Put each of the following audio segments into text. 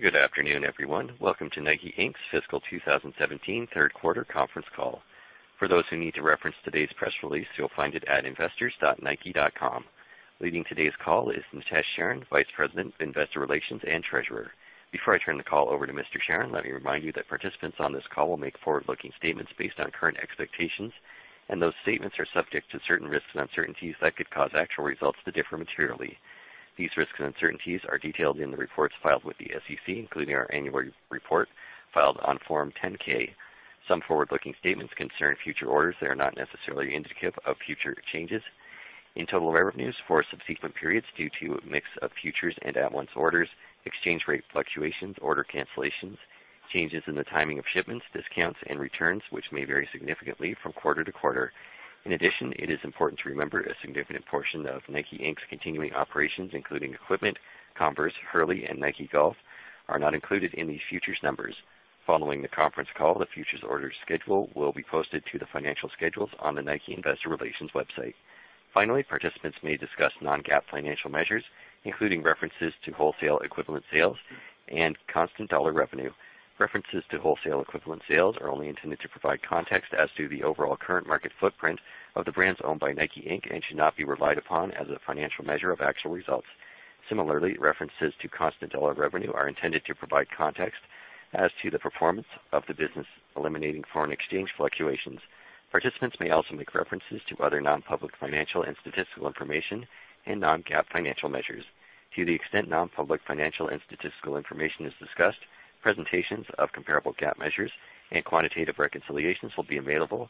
Good afternoon, everyone. Welcome to NIKE, Inc.'s fiscal 2017 third quarter conference call. For those who need to reference today's press release, you will find it at investors.nike.com. Leading today's call is Nitesh Sharan, Vice President of Investor Relations and Treasurer. Before I turn the call over to Mr. Sharan, let me remind you that participants on this call will make forward-looking statements based on current expectations, and those statements are subject to certain risks and uncertainties that could cause actual results to differ materially. These risks and uncertainties are detailed in the reports filed with the SEC, including our annual report filed on Form 10-K. Some forward-looking statements concern future orders that are not necessarily indicative of future changes in total revenues for subsequent periods due to a mix of futures and at-once orders, exchange rate fluctuations, order cancellations, changes in the timing of shipments, discounts, and returns, which may vary significantly from quarter to quarter. In addition, it is important to remember a significant portion of NIKE, Inc.'s continuing operations, including Equipment, Converse, Hurley, and Nike Golf, are not included in these futures numbers. Following the conference call, the futures orders schedule will be posted to the financial schedules on the Nike Investor Relations website. Finally, participants may discuss non-GAAP financial measures, including references to wholesale equivalent sales and constant dollar revenue. References to wholesale equivalent sales are only intended to provide context as to the overall current market footprint of the brands owned by NIKE, Inc. Should not be relied upon as a financial measure of actual results. Similarly, references to constant dollar revenue are intended to provide context as to the performance of the business, eliminating foreign exchange fluctuations. Participants may also make references to other non-public financial and statistical information and non-GAAP financial measures. To the extent non-public financial and statistical information is discussed, presentations of comparable GAAP measures and quantitative reconciliations will be available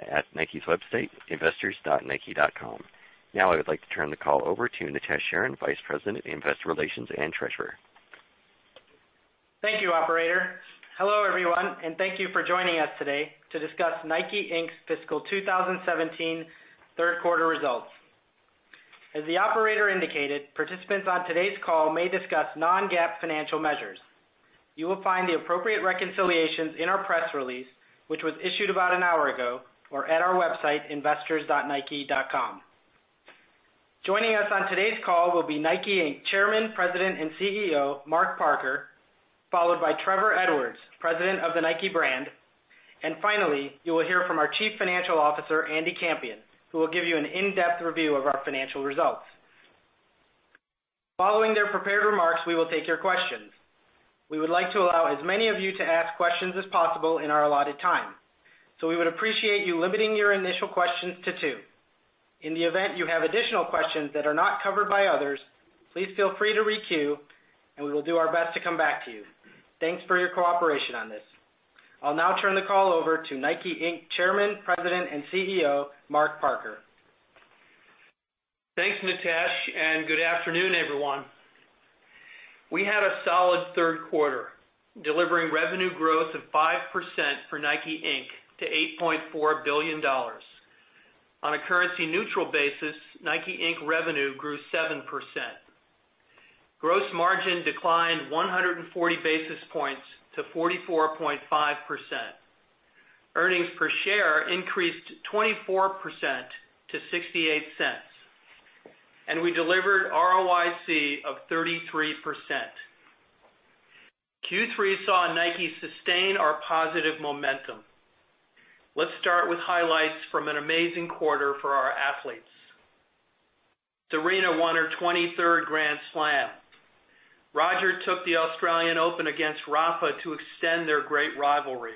at Nike's website, investors.nike.com. Now I would like to turn the call over to Nitesh Sharan, Vice President of Investor Relations and Treasurer. Thank you, operator. Hello, everyone, and thank you for joining us today to discuss NIKE, Inc.'s fiscal 2017 third quarter results. As the operator indicated, participants on today's call may discuss non-GAAP financial measures. You will find the appropriate reconciliations in our press release, which was issued about an hour ago, or at our website, investors.nike.com. Joining us on today's call will be NIKE, Inc. Chairman, President, and CEO, Mark Parker, followed by Trevor Edwards, President of the NIKE Brand, and finally, you will hear from our Chief Financial Officer, Andy Campion, who will give you an in-depth review of our financial results. Following their prepared remarks, we will take your questions. We would like to allow as many of you to ask questions as possible in our allotted time. We would appreciate you limiting your initial questions to two. In the event you have additional questions that are not covered by others, please feel free to re-queue. We will do our best to come back to you. Thanks for your cooperation on this. I'll now turn the call over to NIKE, Inc. Chairman, President, and CEO, Mark Parker. Thanks, Nitesh. Good afternoon, everyone. We had a solid third quarter, delivering revenue growth of 5% for NIKE, Inc. to $8.4 billion. On a currency-neutral basis, NIKE, Inc. revenue grew 7%. Gross margin declined 140 basis points to 44.5%. Earnings per share increased 24% to $0.68. We delivered ROIC of 33%. Q3 saw Nike sustain our positive momentum. Let's start with highlights from an amazing quarter for our athletes. Serena won her 23rd Grand Slam. Roger took the Australian Open against Rafa to extend their great rivalry.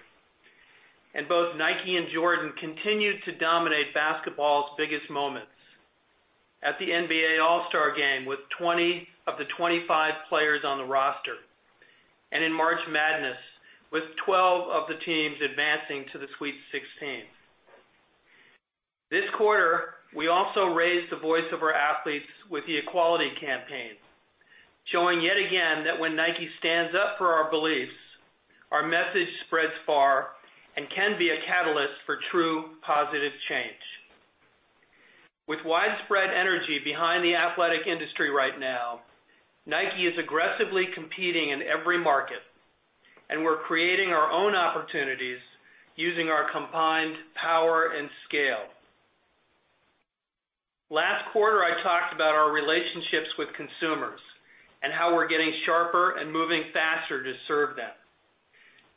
Both Nike and Jordan continued to dominate basketball's biggest moments at the NBA All-Star Game with 20 of the 25 players on the roster, and in March Madness with 12 of the teams advancing to the Sweet 16. This quarter, we also raised the voice of our athletes with the Equality campaign, showing yet again that when Nike stands up for our beliefs, our message spreads far and can be a catalyst for true positive change. With widespread energy behind the athletic industry right now, Nike is aggressively competing in every market. We're creating our own opportunities using our combined power and scale. Last quarter, I talked about our relationships with consumers and how we're getting sharper and moving faster to serve them.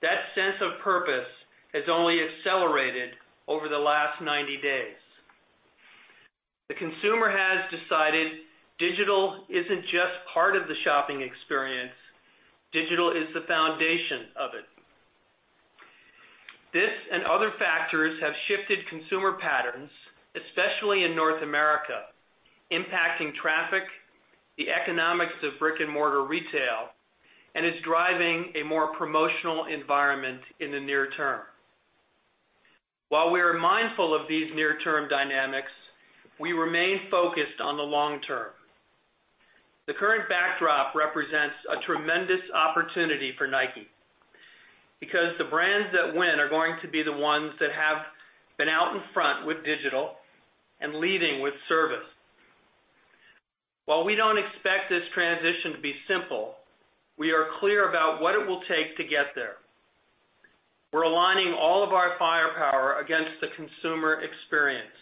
That sense of purpose has only accelerated over the last 90 days. The consumer has decided digital isn't just part of the shopping experience. Digital is the foundation of it. This and other factors have shifted consumer patterns, especially in North America, impacting traffic, the economics of brick-and-mortar retail. It's driving a more promotional environment in the near term. While we are mindful of these near-term dynamics, we remain focused on the long term. The current backdrop represents a tremendous opportunity for Nike because the brands that win are going to be the ones that have been out in front with digital and leading with service. While we don't expect this transition to be simple, we are clear about what it will take to get there. All of our firepower against the consumer experience.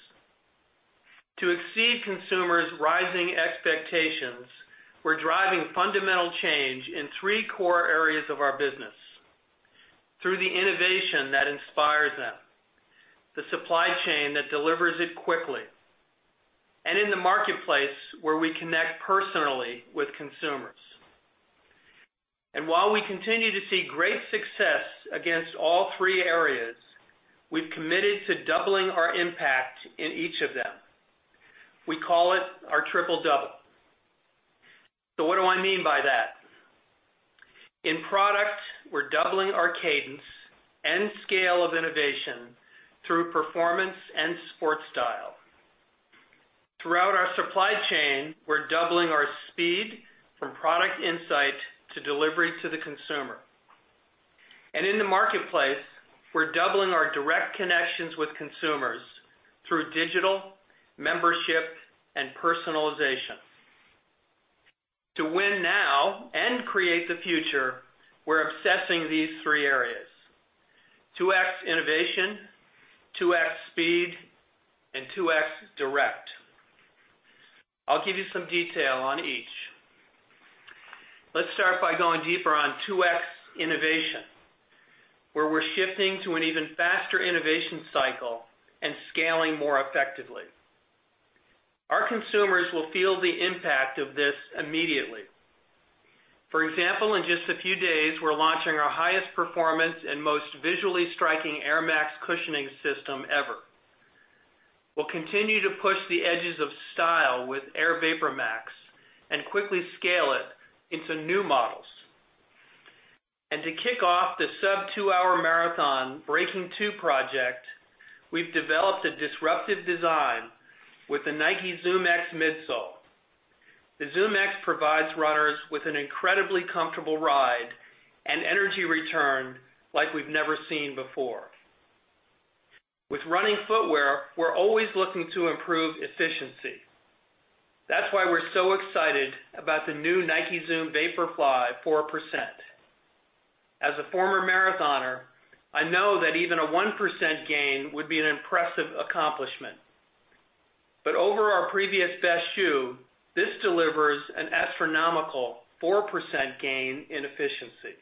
To exceed consumers' rising expectations, we're driving fundamental change in three core areas of our business through the innovation that inspires them, the supply chain that delivers it quickly, and in the marketplace where we connect personally with consumers. While we continue to see great success against all three areas, we've committed to doubling our impact in each of them. We call it our Triple Double. What do I mean by that? In product, we're doubling our cadence and scale of innovation through performance and sport style. Throughout our supply chain, we're doubling our speed from product insight to delivery to the consumer. In the marketplace, we're doubling our direct connections with consumers through digital, membership, and personalization. To win now and create the future, we're obsessing these three areas, two X innovation, two X speed, and two X direct. I'll give you some detail on each. Let's start by going deeper on two X innovation, where we're shifting to an even faster innovation cycle and scaling more effectively. Our consumers will feel the impact of this immediately. For example, in just a few days, we're launching our highest performance and most visually striking Air Max cushioning system ever. We'll continue to push the edges of style with Air VaporMax and quickly scale it into new models. To kick off the sub two-hour marathon Breaking2 project, we've developed a disruptive design with the Nike ZoomX midsole. The Nike ZoomX provides runners with an incredibly comfortable ride and energy return like we've never seen before. With running footwear, we're always looking to improve efficiency. That's why we're so excited about the new Nike Zoom Vaporfly 4%. As a former marathoner, I know that even a 1% gain would be an impressive accomplishment. But over our previous best shoe, this delivers an astronomical 4% gain in efficiency.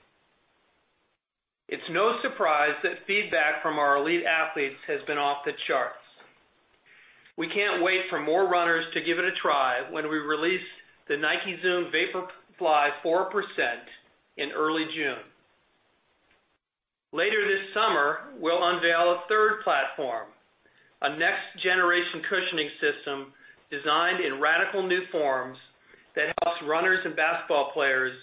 It's no surprise that feedback from our elite athletes has been off the charts. We can't wait for more runners to give it a try when we release the Nike Zoom Vaporfly 4% in early June. Later this summer, we'll unveil a third platform, a next-generation cushioning system designed in radical new forms that helps runners and basketball players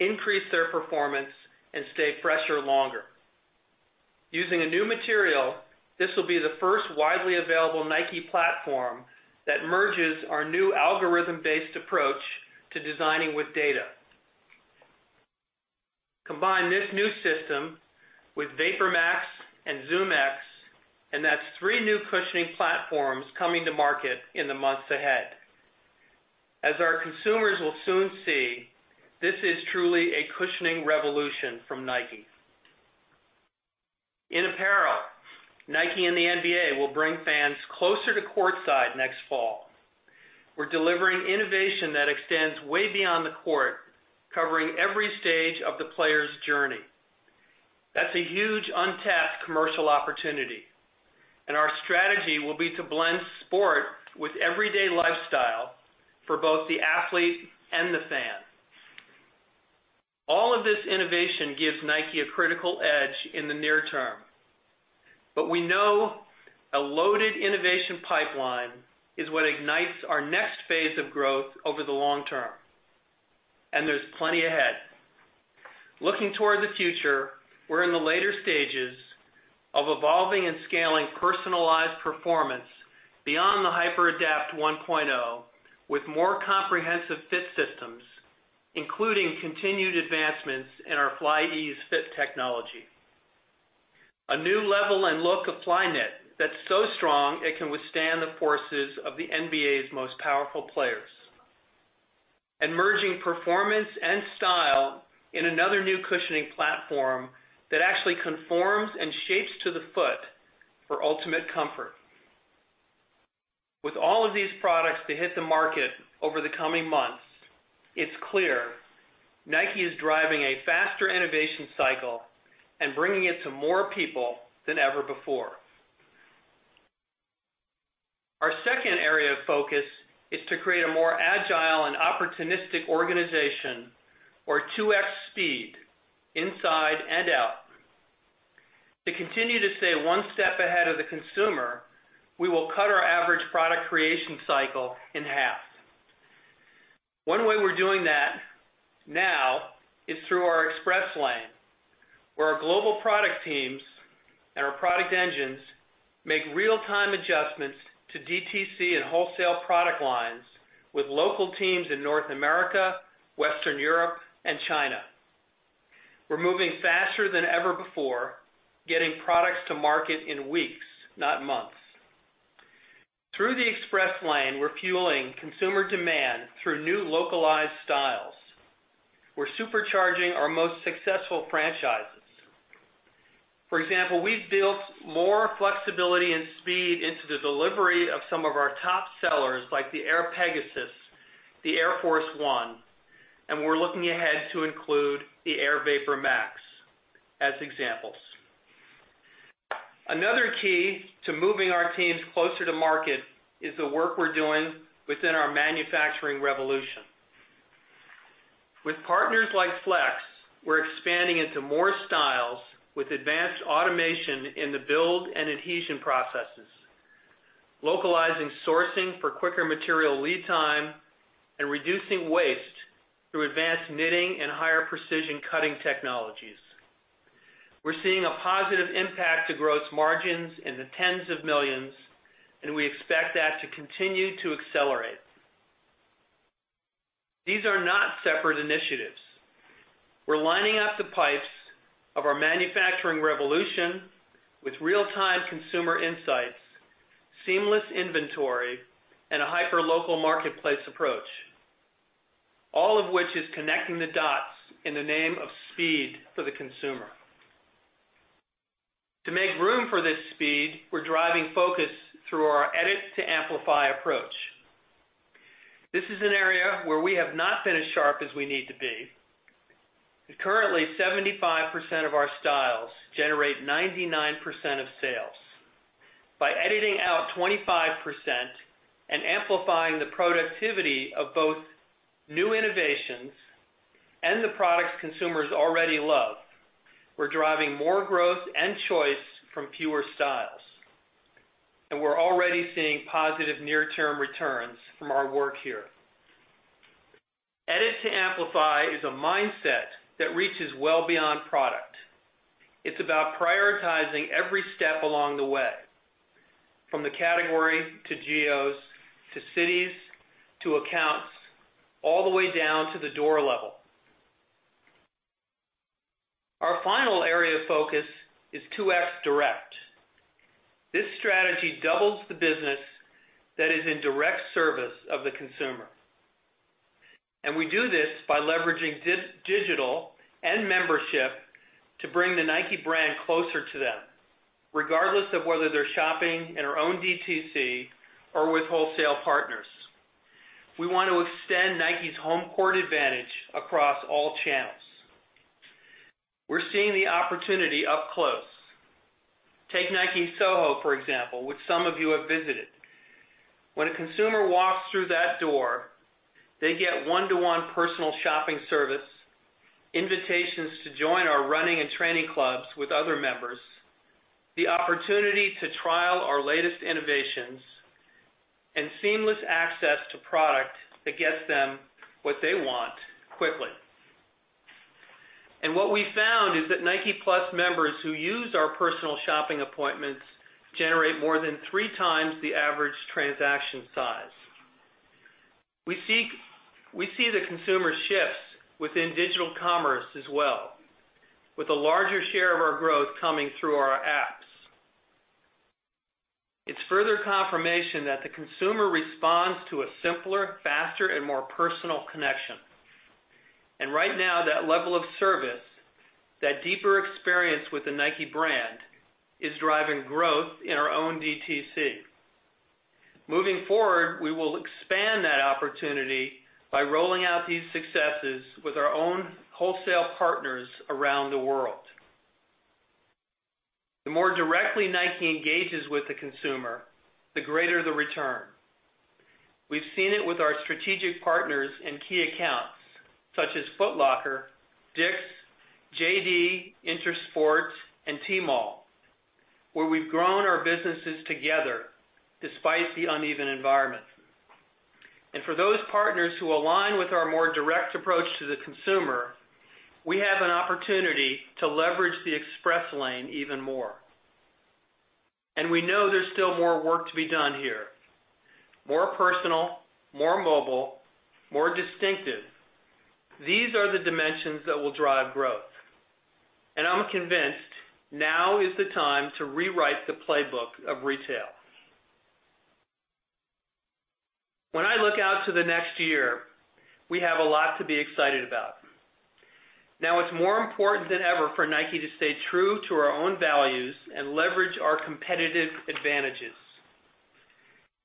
increase their performance and stay fresher longer. Using a new material, this will be the first widely available Nike platform that merges our new algorithm-based approach to designing with data. Combine this new system with VaporMax and ZoomX, and that's three new cushioning platforms coming to market in the months ahead. As our consumers will soon see, this is truly a cushioning revolution from Nike. In apparel, Nike and the NBA will bring fans closer to courtside next fall. We're delivering innovation that extends way beyond the court, covering every stage of the player's journey. That's a huge untapped commercial opportunity. Our strategy will be to blend sport with everyday lifestyle for both the athlete and the fan. All of this innovation gives Nike a critical edge in the near term, we know a loaded innovation pipeline is what ignites our next phase of growth over the long term. There's plenty ahead. Looking toward the future, we're in the later stages of evolving and scaling personalized performance beyond the HyperAdapt 1.0 with more comprehensive fit systems, including continued advancements in our FlyEase fit technology. A new level and look of Flyknit that's so strong it can withstand the forces of the NBA's most powerful players. Merging performance and style in another new cushioning platform that actually conforms and shapes to the foot for ultimate comfort. With all of these products to hit the market over the coming months, it's clear Nike is driving a faster innovation cycle and bringing it to more people than ever before. Our second area of focus is to create a more agile and opportunistic organization or 2X speed inside and out. To continue to stay one step ahead of the consumer, we will cut our average product creation cycle in half. One way we're doing that now is through our Express Lane, where our global product teams and our product engines make real-time adjustments to DTC and wholesale product lines with local teams in North America, Western Europe, and China. We're moving faster than ever before, getting products to market in weeks, not months. Through the Express Lane, we're fueling consumer demand through new localized styles. We're supercharging our most successful franchises. For example, we've built more flexibility and speed into the delivery of some of our top sellers, like the Air Pegasus, the Air Force 1, and we're looking ahead to include the Air VaporMax, as examples. Another key to moving our teams closer to market is the work we're doing within our manufacturing revolution. With partners like Flex, we're expanding into more styles with advanced automation in the build and adhesion processes, localizing sourcing for quicker material lead time, and reducing waste through advanced knitting and higher precision cutting technologies. We're seeing a positive impact to gross margins in the $ tens of millions, and we expect that to continue to accelerate. These are not separate initiatives. We're lining up the pipes of our manufacturing revolution with real-time consumer insights, seamless inventory, and a hyper-local marketplace approach. All of which is connecting the dots in the name of speed for the consumer. To make room for this speed, we're driving focus through our Edit to Amplify approach. This is an area where we have not been as sharp as we need to be. Currently, 75% of our styles generate 99% of sales. By editing out 25% and amplifying the productivity of both new innovations and the products consumers already love, we're driving more growth and choice from fewer styles. We're already seeing positive near-term returns from our work here. Edit to Amplify is a mindset that reaches well beyond product. It's about prioritizing every step along the way, from the category, to geos, to cities, to accounts, all the way down to the door level. Our final area of focus is 2X Direct. This strategy doubles the business that is in direct service of the consumer. We do this by leveraging digital and membership to bring the NIKE Brand closer to them, regardless of whether they're shopping in our own DTC or with wholesale partners. We want to extend Nike's home court advantage across all channels. We're seeing the opportunity up close. Take Nike Soho, for example, which some of you have visited. When a consumer walks through that door, they get one-to-one personal shopping service, invitations to join our running and training clubs with other members, the opportunity to trial our latest innovations, and seamless access to product that gets them what they want quickly. What we found is that NikePlus members who use our personal shopping appointments generate more than three times the average transaction size. We see the consumer shifts within digital commerce as well, with a larger share of our growth coming through our apps. It's further confirmation that the consumer responds to a simpler, faster, and more personal connection. Right now, that level of service, that deeper experience with the NIKE Brand, is driving growth in our own DTC. Moving forward, we will expand that opportunity by rolling out these successes with our own wholesale partners around the world. The more directly Nike engages with the consumer, the greater the return. We've seen it with our strategic partners in key accounts, such as Foot Locker, Dick's Sporting Goods, JD Sports, Intersport, and Tmall, where we've grown our businesses together despite the uneven environment. For those partners who align with our more direct approach to the consumer, we have an opportunity to leverage the Express Lane even more. We know there's still more work to be done here. More personal, more mobile, more distinctive. These are the dimensions that will drive growth. I'm convinced now is the time to rewrite the playbook of retail. When I look out to the next year, we have a lot to be excited about. Now it's more important than ever for Nike to stay true to our own values and leverage our competitive advantages.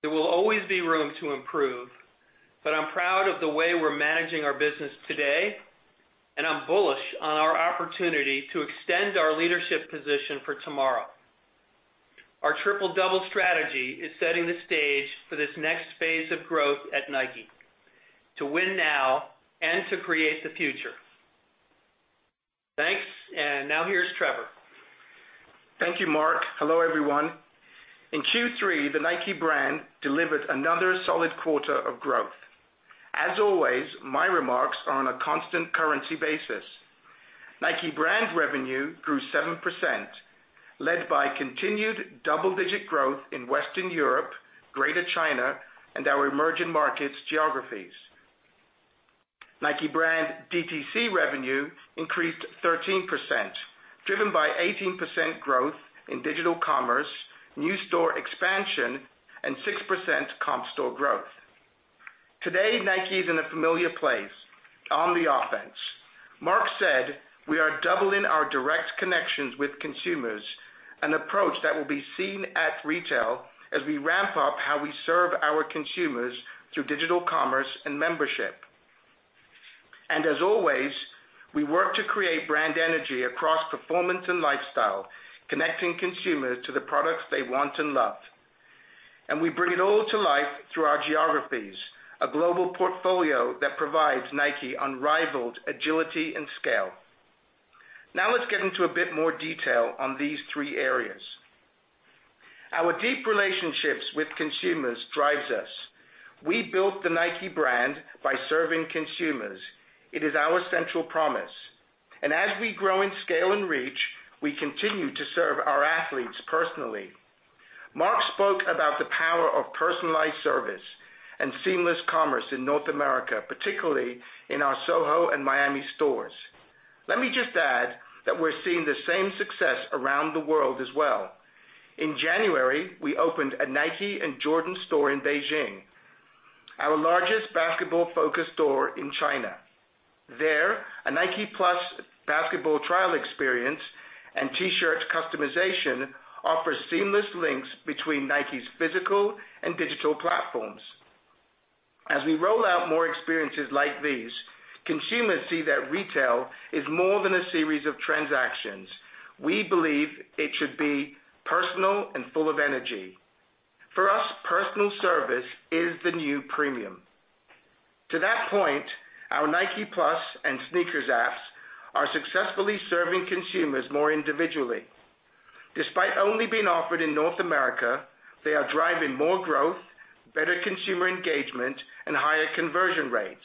There will always be room to improve, I'm proud of the way we're managing our business today, I'm bullish on our opportunity to extend our leadership position for tomorrow. Our Triple Double strategy is setting the stage for this next phase of growth at Nike. To win now and to create the future. Thanks. Now here's Trevor Edwards. Thank you, Mark. Hello, everyone. In Q3, the NIKE Brand delivered another solid quarter of growth. As always, my remarks are on a constant currency basis. NIKE Brand revenue grew 7%, led by continued double-digit growth in Western Europe, Greater China, and our emerging markets geographies. NIKE Brand DTC revenue increased 13%, driven by 18% growth in digital commerce, new store expansion, and 6% comp store growth. Today, Nike's in a familiar place, on the offense. Mark Parker said we are doubling our direct connections with consumers, an approach that will be seen at retail as we ramp up how we serve our consumers through digital commerce and membership. As always, we work to create brand energy across performance and lifestyle, connecting consumers to the products they want and love. We bring it all to life through our geographies, a global portfolio that provides Nike unrivaled agility and scale. Now let's get into a bit more detail on these three areas. Our deep relationships with consumers drives us. We built the NIKE Brand by serving consumers. It is our central promise. As we grow in scale and reach, we continue to serve our athletes personally. Mark Parker spoke about the power of personalized service and seamless commerce in North America, particularly in our Soho and Miami stores. Let me just add that we're seeing the same success around the world as well. In January, we opened a Nike and Jordan store in Beijing, our largest basketball-focused store in China. There, a Nike+ basketball trial experience and T-shirt customization offers seamless links between Nike's physical and digital platforms. As we roll out more experiences like these, consumers see that retail is more than a series of transactions. We believe it should be personal and full of energy. For us, personal service is the new premium. To that point, our Nike+ and SNKRS apps are successfully serving consumers more individually. Despite only being offered in North America, they are driving more growth, better consumer engagement, and higher conversion rates.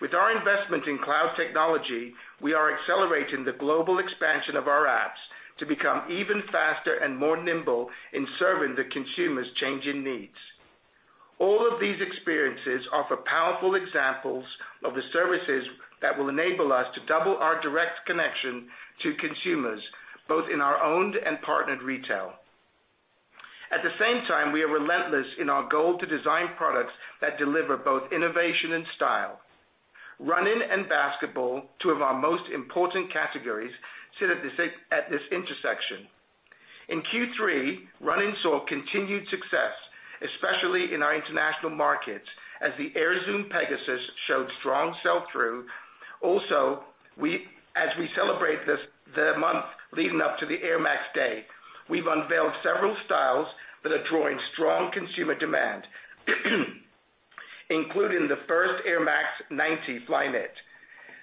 With our investment in cloud technology, we are accelerating the global expansion of our apps to become even faster and nimbler in serving the consumer's changing needs. All of these experiences offer powerful examples of the services that will enable us to double our direct connection to consumers, both in our owned and partnered retail. At the same time, we are relentless in our goal to design products that deliver both innovation and style. Running and basketball, two of our most important categories, sit at this intersection. In Q3, running saw continued success, especially in our international markets, as the Air Zoom Pegasus showed strong sell-through. As we celebrate the month leading up to the Air Max Day, we've unveiled several styles that are drawing strong consumer demand, including the first Air Max 90 Flyknit.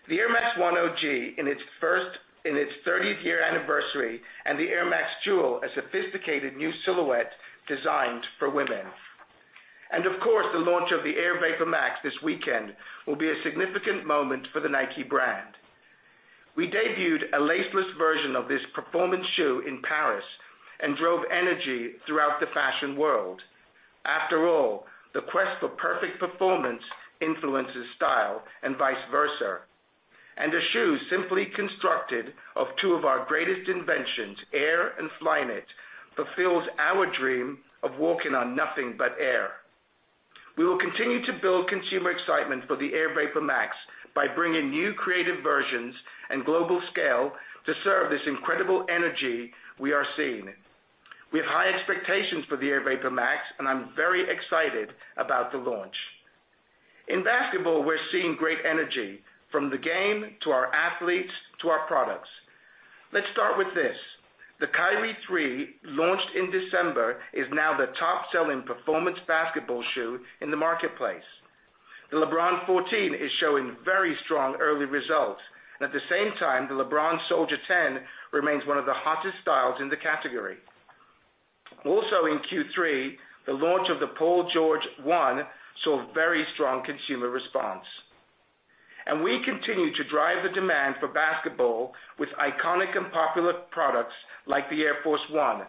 The Air Max 1 OG in its 30th year anniversary, the Air Max Jewel, a sophisticated new silhouette designed for women. Of course, the launch of the Air VaporMax this weekend will be a significant moment for the NIKE Brand. We debuted a laceless version of this performance shoe in Paris and drove energy throughout the fashion world. The quest for perfect performance influences style and vice versa. A shoe simply constructed of two of our greatest inventions, air and Flyknit, fulfills our dream of walking on nothing but air. We will continue to build consumer excitement for the Air VaporMax by bringing new creative versions and global scale to serve this incredible energy we are seeing. We have high expectations for the Air VaporMax, and I'm very excited about the launch. In basketball, we're seeing great energy, from the game, to our athletes, to our products. Let's start with this. The Kyrie 3, launched in December, is now the top-selling performance basketball shoe in the marketplace. The LeBron 14 is showing very strong early results, and at the same time, the LeBron Soldier 10 remains one of the hottest styles in the category. Also in Q3, the launch of the Paul George 1 saw a very strong consumer response. We continue to drive the demand for basketball with iconic and popular products like the Air Force 1.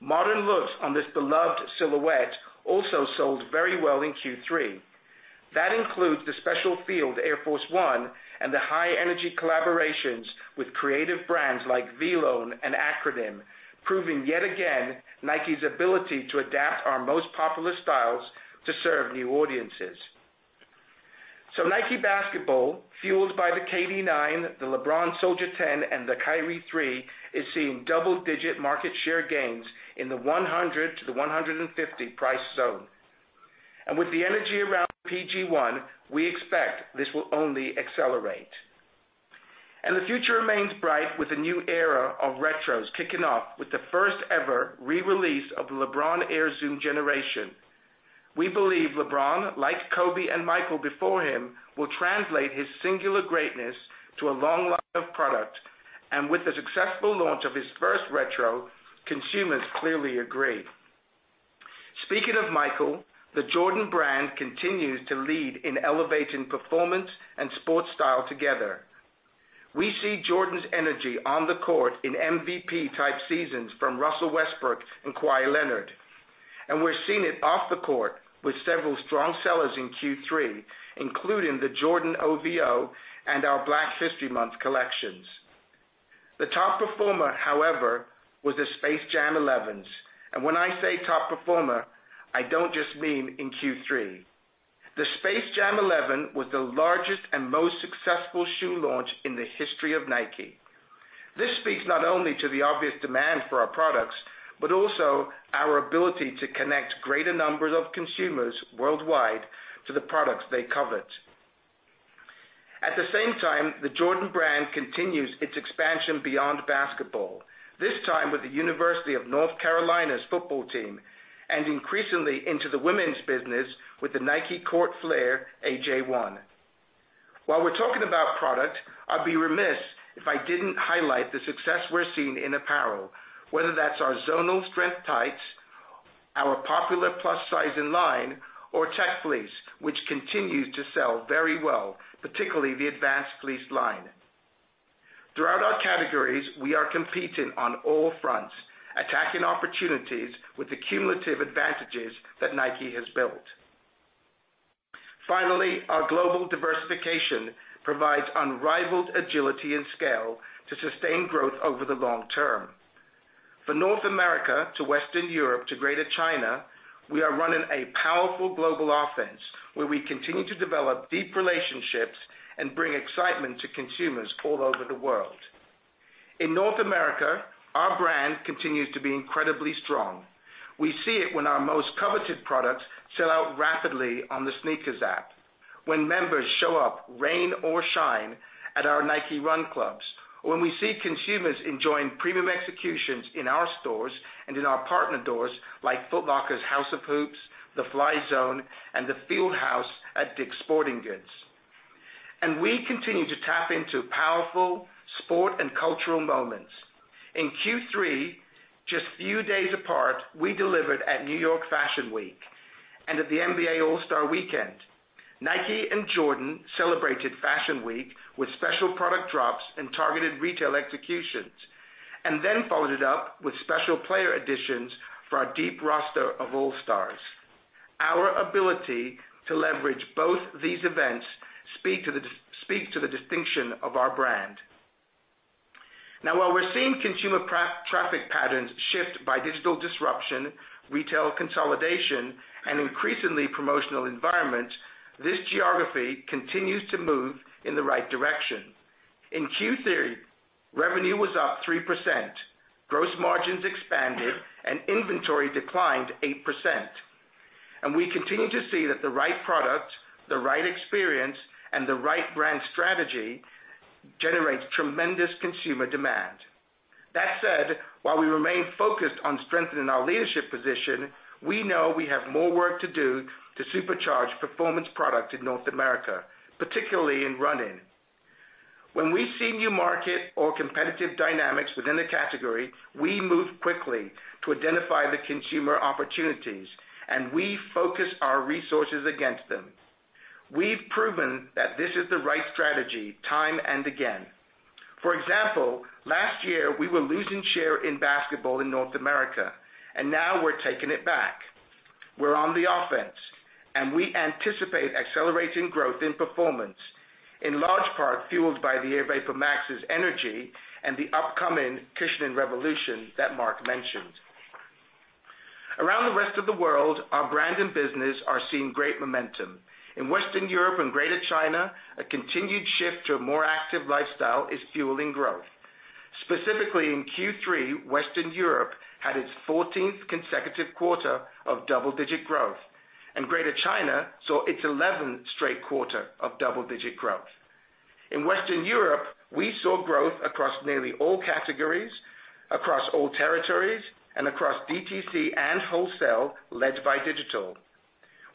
Modern looks on this beloved silhouette also sold very well in Q3. That includes the Special Field Air Force 1 and the high-energy collaborations with creative brands like VLONE and Acronym, proving yet again NIKE's ability to adapt our most popular styles to serve new audiences. Nike Basketball, fueled by the KD 9, the LeBron Soldier 10, and the Kyrie 3, is seeing double-digit market share gains in the 100 to the 150 price zone. With the energy around PG 1, we expect this will only accelerate. The future remains bright with the new era of retros kicking off with the first-ever re-release of the LeBron Air Zoom Generation. We believe LeBron, like Kobe and Michael before him, will translate his singular greatness to a long line of product. With the successful launch of his first retro, consumers clearly agree. Speaking of Michael, the Jordan Brand continues to lead in elevating performance and sports style together. We see Jordan's energy on the court in MVP-type seasons from Russell Westbrook and Kawhi Leonard. We are seeing it off the court with several strong sellers in Q3, including the Air Jordan OVO and our Black History Month collections. The top performer, however, was the Space Jam 11s. When I say top performer, I do not just mean in Q3. The Space Jam 11 was the largest and most successful shoe launch in the history of Nike. This speaks not only to the obvious demand for our products, but also our ability to connect greater numbers of consumers worldwide to the products they covet. At the same time, the Jordan Brand continues its expansion beyond basketball, this time with the University of North Carolina's football team, and increasingly into the women's business with the NikeCourt Flare AJ1. While we are talking about product, I would be remiss if I did not highlight the success we are seeing in apparel, whether that is our Zonal Strength tights, our popular Plus Size line, or Tech Fleece, which continues to sell very well, particularly the advanced fleece line. Throughout our categories, we are competing on all fronts, attacking opportunities with the cumulative advantages that Nike has built. Finally, our global diversification provides unrivaled agility and scale to sustain growth over the long term. For North America to Western Europe to Greater China, we are running a powerful global offense where we continue to develop deep relationships and bring excitement to consumers all over the world. In North America, our brand continues to be incredibly strong. We see it when our most coveted products sell out rapidly on the SNKRS app, when members show up, rain or shine, at our Nike+ Run Clubs, or when we see consumers enjoying premium executions in our stores and in our partner doors, like Foot Locker's House of Hoops, the Fly Zone, and the Field House at Dick's Sporting Goods. We continue to tap into powerful sport and cultural moments. In Q3, just few days apart, we delivered at New York Fashion Week and at the NBA All-Star Weekend. Nike and Jordan celebrated Fashion Week with special product drops and targeted retail executions, and then followed it up with special player editions for our deep roster of All-Stars. Our ability to leverage both these events speak to the distinction of our brand. Now, while we are seeing consumer traffic patterns shift by digital disruption, retail consolidation, and increasingly promotional environments, this geography continues to move in the right direction. In Q3, revenue was up 3%, gross margins expanded, and inventory declined 8%. We continue to see that the right product, the right experience, and the right brand strategy generates tremendous consumer demand. That said, while we remain focused on strengthening our leadership position, we know we have more work to do to supercharge performance product in North America, particularly in running. When we see new market or competitive dynamics within a category, we move quickly to identify the consumer opportunities, and we focus our resources against them. We have proven that this is the right strategy time and again. For example, last year we were losing share in basketball in North America, and now we are taking it back. We're on the offense. We anticipate accelerating growth in performance, in large part fueled by the Air VaporMax's energy and the upcoming cushioning revolution that Mark mentioned. Around the rest of the world, our brand and business are seeing great momentum. In Western Europe and Greater China, a continued shift to a more active lifestyle is fueling growth. Specifically in Q3, Western Europe had its 14th consecutive quarter of double-digit growth, and Greater China saw its 11th straight quarter of double-digit growth. In Western Europe, we saw growth across nearly all categories, across all territories, and across DTC and wholesale, led by digital.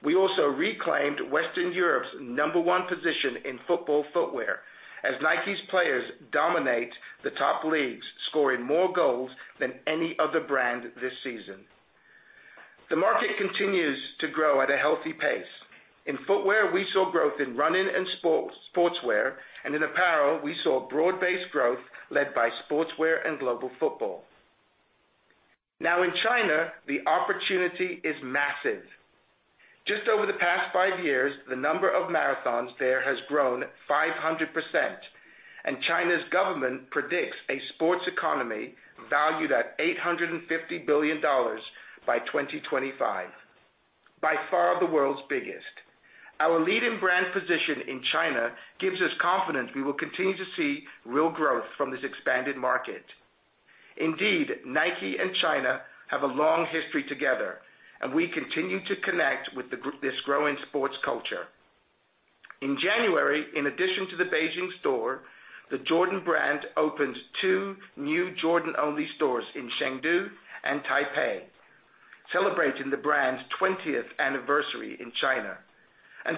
We also reclaimed Western Europe's number 1 position in football footwear as Nike's players dominate the top leagues, scoring more goals than any other brand this season. The market continues to grow at a healthy pace. In footwear, we saw growth in running and sportswear. In apparel, we saw broad-based growth led by sportswear and global football. Now in China, the opportunity is massive. Just over the past five years, the number of marathons there has grown 500%, and China's government predicts a sports economy valued at $850 billion by 2025. By far the world's biggest. Our leading brand position in China gives us confidence we will continue to see real growth from this expanded market. Indeed, Nike and China have a long history together. We continue to connect with this growing sports culture. In January, in addition to the Beijing store, the Jordan Brand opens two new Jordan-only stores in Chengdu and Taipei, celebrating the brand's 20th anniversary in China.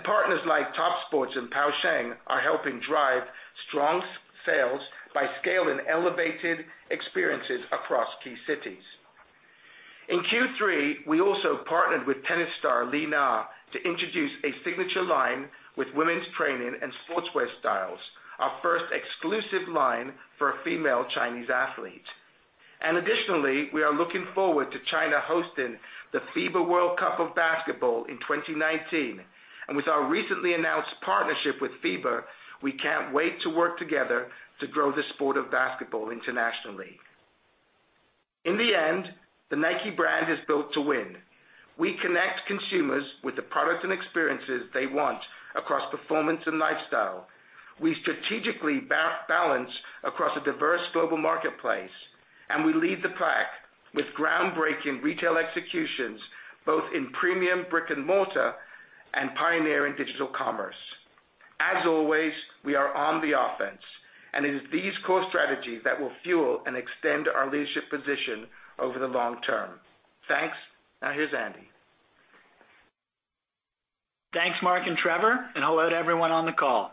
Partners like Topsports and Pou Sheng are helping drive strong sales by scale and elevated experiences across key cities. In Q3, we also partnered with tennis star Li Na to introduce a signature line with women's training and sportswear styles, our first exclusive line for a female Chinese athlete. Additionally, we are looking forward to China hosting the FIBA Basketball World Cup in 2019. With our recently announced partnership with FIBA, we can't wait to work together to grow the sport of basketball internationally. In the end, the NIKE Brand is built to win. We connect consumers with the product and experiences they want across performance and lifestyle. We strategically balance across a diverse global marketplace. We lead the pack with groundbreaking retail executions, both in premium brick and mortar and pioneer in digital commerce. As always, we are on the offense. It is these core strategies that will fuel and extend our leadership position over the long term. Thanks. Now here's Andy. Thanks, Mark and Trevor, and hello to everyone on the call.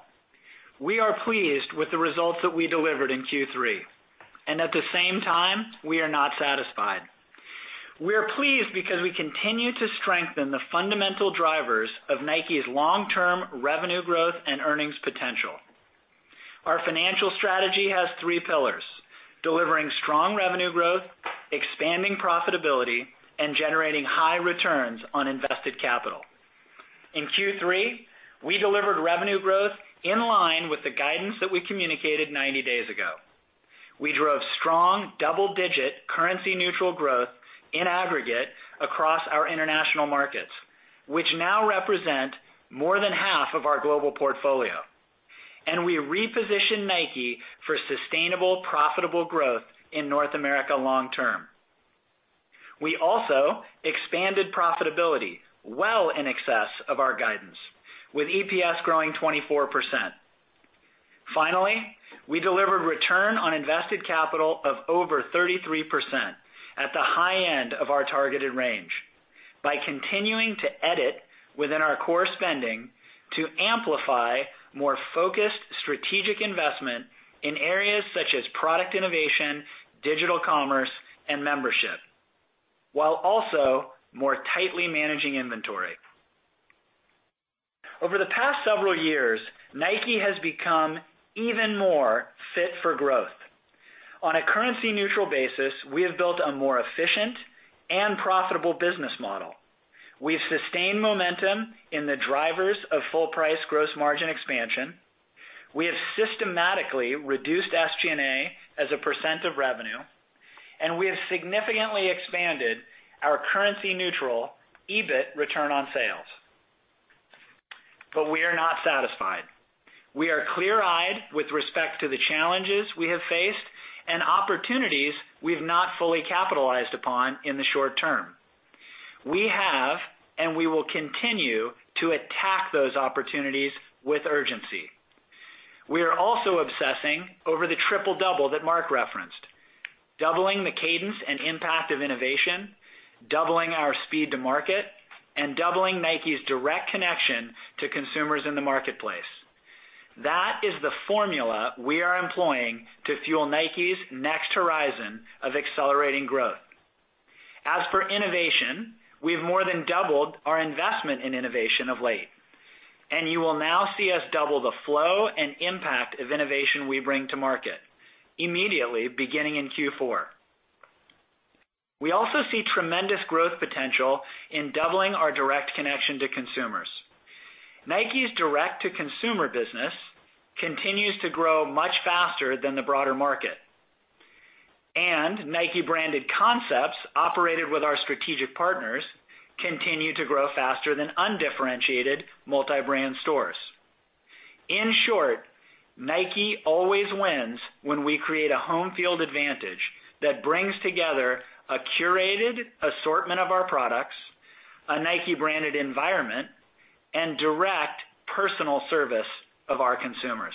We are pleased with the results that we delivered in Q3. At the same time, we are not satisfied. We are pleased because we continue to strengthen the fundamental drivers of Nike's long-term revenue growth and earnings potential. Our financial strategy has three pillars, delivering strong revenue growth, expanding profitability, and generating high returns on invested capital. In Q3, we delivered revenue growth in line with the guidance that we communicated 90 days ago. We drove strong double-digit currency-neutral growth in aggregate across our international markets, which now represent more than half of our global portfolio. We repositioned Nike for sustainable, profitable growth in North America long term. We also expanded profitability well in excess of our guidance, with EPS growing 24%. Finally, we delivered return on invested capital of over 33% at the high end of our targeted range by continuing to edit within our core spending to amplify more focused strategic investment in areas such as product innovation, digital commerce, and membership, while also more tightly managing inventory. Over the past several years, Nike has become even more fit for growth. On a currency-neutral basis, we have built a more efficient and profitable business model. We have sustained momentum in the drivers of full price gross margin expansion. We have systematically reduced SG&A as a percent of revenue, and we have significantly expanded our currency neutral EBIT return on sales. We are not satisfied. We are clear-eyed with respect to the challenges we have faced and opportunities we've not fully capitalized upon in the short term. We have, and we will continue to attack those opportunities with urgency. We are also obsessing over the Triple Double that Mark referenced. Doubling the cadence and impact of innovation, doubling our speed to market, and doubling Nike's direct connection to consumers in the marketplace. That is the formula we are employing to fuel Nike's next horizon of accelerating growth. As for innovation, we've more than doubled our investment in innovation of late, and you will now see us double the flow and impact of innovation we bring to market immediately, beginning in Q4. We also see tremendous growth potential in doubling our direct connection to consumers. Nike's direct-to-consumer business continues to grow much faster than the broader market. Nike branded concepts operated with our strategic partners continue to grow faster than undifferentiated multi-brand stores. In short, Nike always wins when we create a home field advantage that brings together a curated assortment of our products, a Nike-branded environment, and direct personal service of our consumers.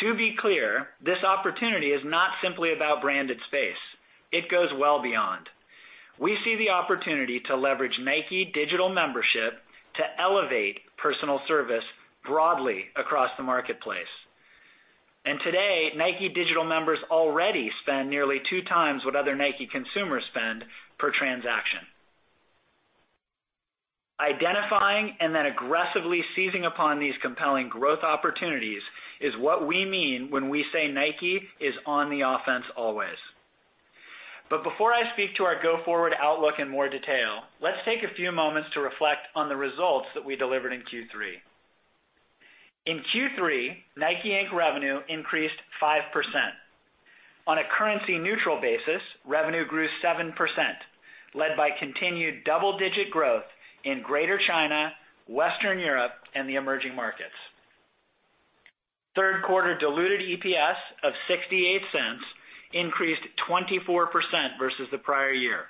To be clear, this opportunity is not simply about branded space. It goes well beyond. We see the opportunity to leverage Nike Digital Membership to elevate personal service broadly across the marketplace. Today, Nike Digital members already spend nearly two times what other Nike consumers spend per transaction. Identifying and then aggressively seizing upon these compelling growth opportunities is what we mean when we say Nike is on the offense always. Before I speak to our go-forward outlook in more detail, let's take a few moments to reflect on the results that we delivered in Q3. In Q3, NIKE, Inc. revenue increased 5%. On a currency neutral basis, revenue grew 7%, led by continued double-digit growth in Greater China, Western Europe, and the emerging markets. Third quarter diluted EPS of $0.68 increased 24% versus the prior year,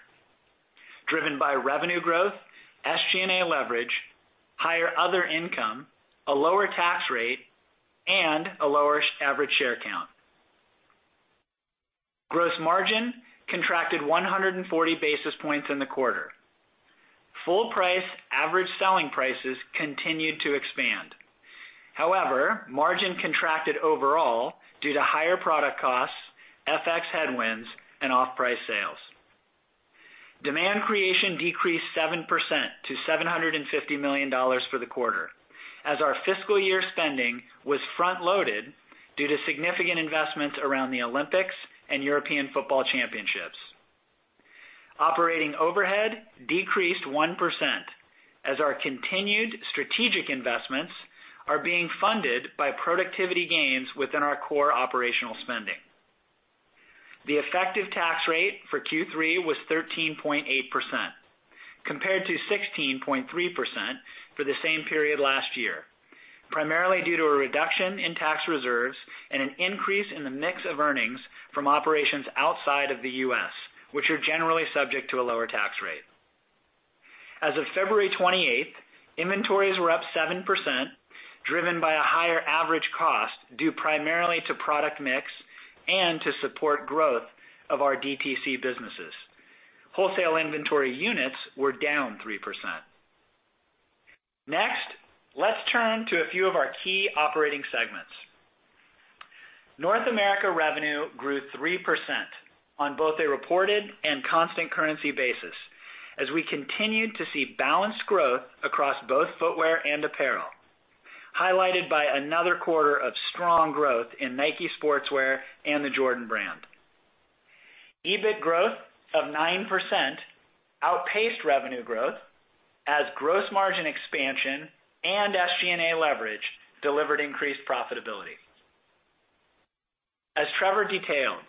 driven by revenue growth, SG&A leverage, higher other income, a lower tax rate, and a lower average share count. Gross margin contracted 140 basis points in the quarter. Full price average selling prices continued to expand. However, margin contracted overall due to higher product costs, FX headwinds, and off-price sales. Demand creation decreased 7% to $750 million for the quarter, as our fiscal year spending was front-loaded due to significant investments around the Olympics and European Football Championships. Operating overhead decreased 1% as our continued strategic investments are being funded by productivity gains within our core operational spending. The effective tax rate for Q3 was 13.8%, compared to 16.3% for the same period last year, primarily due to a reduction in tax reserves and an increase in the mix of earnings from operations outside of the U.S., which are generally subject to a lower tax rate. As of February 28th, inventories were up 7%, driven by a higher average cost, due primarily to product mix and to support growth of our DTC businesses. Wholesale inventory units were down 3%. Next, let's turn to a few of our key operating segments. North America revenue grew 3% on both a reported and constant currency basis, as we continued to see balanced growth across both footwear and apparel, highlighted by another quarter of strong growth in Nike Sportswear and the Jordan Brand. EBIT growth of 9% outpaced revenue growth as gross margin expansion and SG&A leverage delivered increased profitability. As Trevor detailed,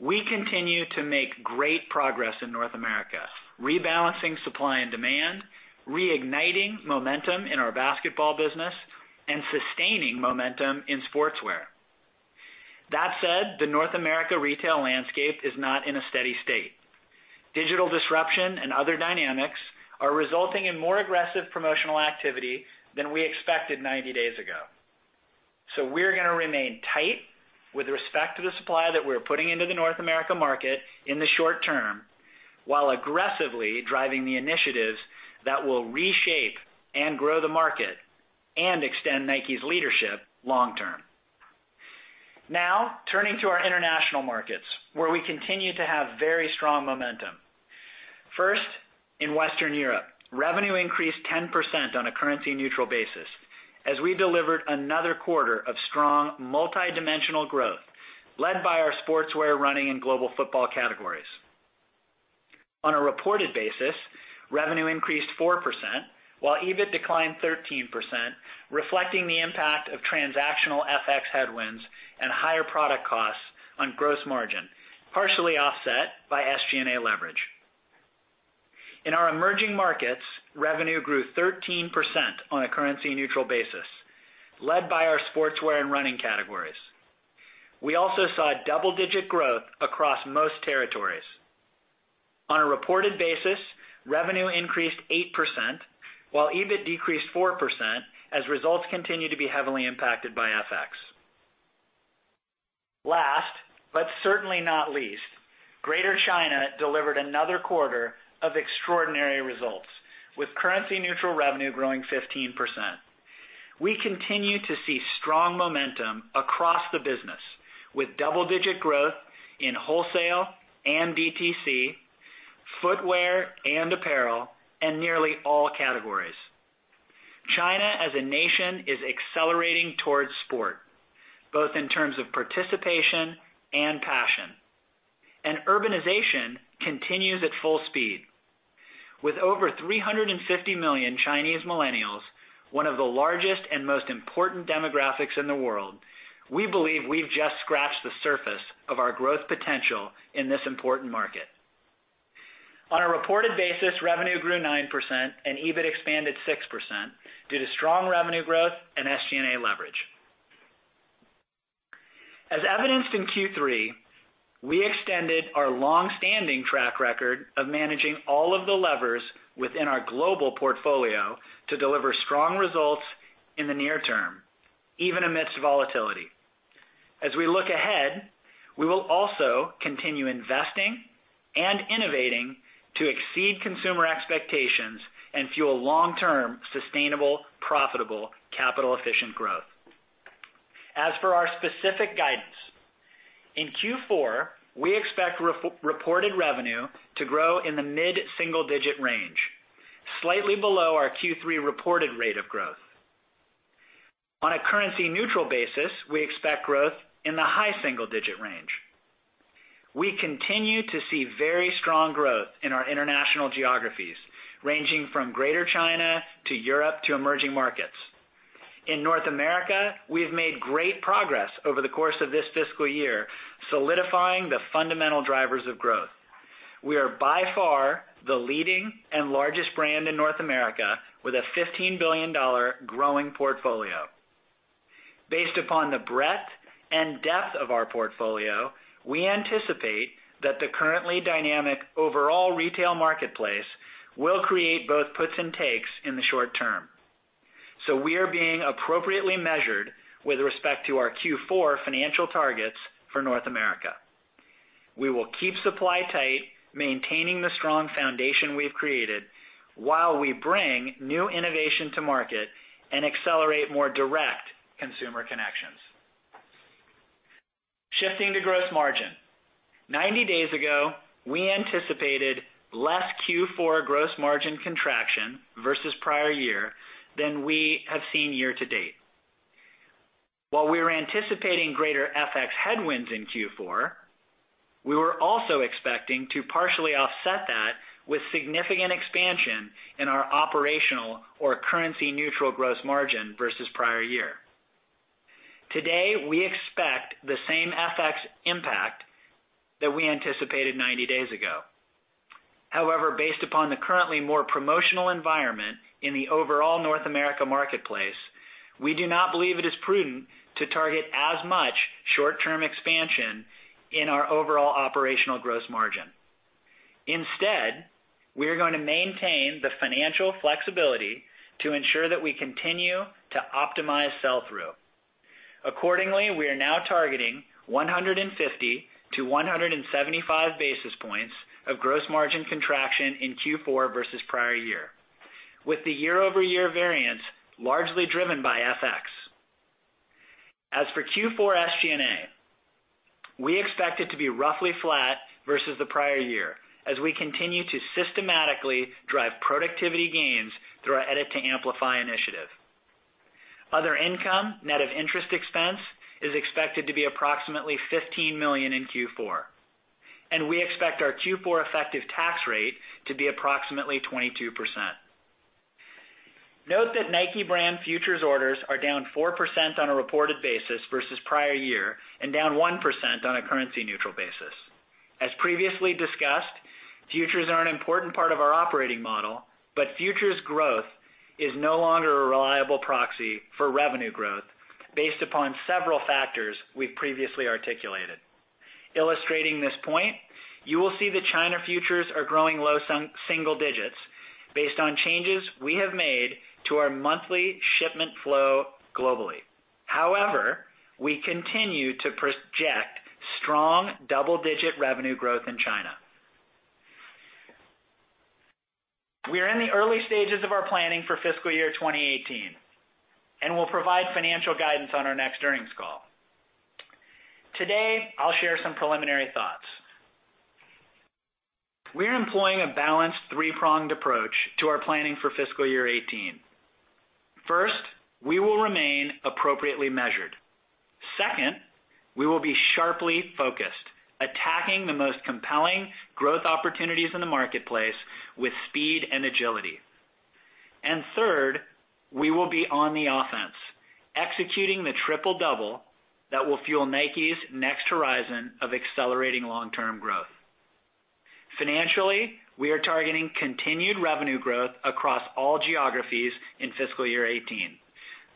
we continue to make great progress in North America, rebalancing supply and demand, reigniting momentum in our basketball business, and sustaining momentum in sportswear. That said, the North America retail landscape is not in a steady state. Digital disruption and other dynamics are resulting in more aggressive promotional activity than we expected 90 days ago. We're going to remain tight with respect to the supply that we're putting into the North America market in the short term, while aggressively driving the initiatives that will reshape and grow the market and extend Nike's leadership long term. Turning to our international markets, where we continue to have very strong momentum. First, in Western Europe, revenue increased 10% on a currency-neutral basis as we delivered another quarter of strong multi-dimensional growth led by our sportswear, running, and global football categories. On a reported basis, revenue increased 4%, while EBIT declined 13%, reflecting the impact of transactional FX headwinds and higher product costs on gross margin, partially offset by SG&A leverage. In our emerging markets, revenue grew 13% on a currency-neutral basis, led by our sportswear and running categories. We also saw double-digit growth across most territories. On a reported basis, revenue increased 8%, while EBIT decreased 4%, as results continued to be heavily impacted by FX. Last, but certainly not least, Greater China delivered another quarter of extraordinary results with currency neutral revenue growing 15%. We continue to see strong momentum across the business with double-digit growth in wholesale and DTC, footwear and apparel, and nearly all categories. China as a nation is accelerating towards sport, both in terms of participation and passion. Urbanization continues at full speed. With over 350 million Chinese millennials, one of the largest and most important demographics in the world, we believe we've just scratched the surface of our growth potential in this important market. On a reported basis, revenue grew 9% and EBIT expanded 6% due to strong revenue growth and SG&A leverage. As evidenced in Q3, we extended our long-standing track record of managing all of the levers within our global portfolio to deliver strong results in the near term, even amidst volatility. As we look ahead, we will also continue investing and innovating to exceed consumer expectations and fuel long-term sustainable, profitable, capital-efficient growth. As for our specific guidance, in Q4, we expect reported revenue to grow in the mid-single-digit range, slightly below our Q3 reported rate of growth. On a currency-neutral basis, we expect growth in the high single-digit range. We continue to see very strong growth in our international geographies, ranging from Greater China to Europe to emerging markets. In North America, we have made great progress over the course of this fiscal year, solidifying the fundamental drivers of growth. We are by far the leading and largest brand in North America with a $15 billion growing portfolio. Based upon the breadth and depth of our portfolio, we anticipate that the currently dynamic overall retail marketplace will create both puts and takes in the short term. We are being appropriately measured with respect to our Q4 financial targets for North America. We will keep supply tight, maintaining the strong foundation we've created while we bring new innovation to market and accelerate more direct consumer connections. Shifting to gross margin. 90 days ago, we anticipated less Q4 gross margin contraction versus prior year than we have seen year-to-date. While we were anticipating greater FX headwinds in Q4, we were also expecting to partially offset that with significant expansion in our operational or currency-neutral gross margin versus prior year. Today, we expect the same FX impact that we anticipated 90 days ago. However, based upon the currently more promotional environment in the overall North America marketplace, we do not believe it is prudent to target as much short-term expansion in our overall operational gross margin. Instead, we are going to maintain the financial flexibility to ensure that we continue to optimize sell-through. Accordingly, we are now targeting 150 to 175 basis points of gross margin contraction in Q4 versus prior year, with the year-over-year variance largely driven by FX. As for Q4 SG&A, we expect it to be roughly flat versus the prior year as we continue to systematically drive productivity gains through our Edit to Amplify initiative. Other income, net of interest expense, is expected to be approximately $15 million in Q4, and we expect our Q4 effective tax rate to be approximately 22%. Note that NIKE Brand futures orders are down 4% on a reported basis versus the prior year and down 1% on a currency-neutral basis. As previously discussed, futures are an important part of our operating model, but futures growth is no longer a reliable proxy for revenue growth based upon several factors we've previously articulated. Illustrating this point, you will see that China futures are growing low single digits based on changes we have made to our monthly shipment flow globally. However, we continue to project strong double-digit revenue growth in China. We are in the early stages of our planning for fiscal year 2018 and will provide financial guidance on our next earnings call. Today, I'll share some preliminary thoughts. We're employing a balanced, three-pronged approach to our planning for fiscal year 2018. First, we will remain appropriately measured. Second, we will be sharply focused, attacking the most compelling growth opportunities in the marketplace with speed and agility. Third, we will be on the offense, executing the Triple Double that will fuel NIKE's next horizon of accelerating long-term growth. Financially, we are targeting continued revenue growth across all geographies in fiscal year 2018,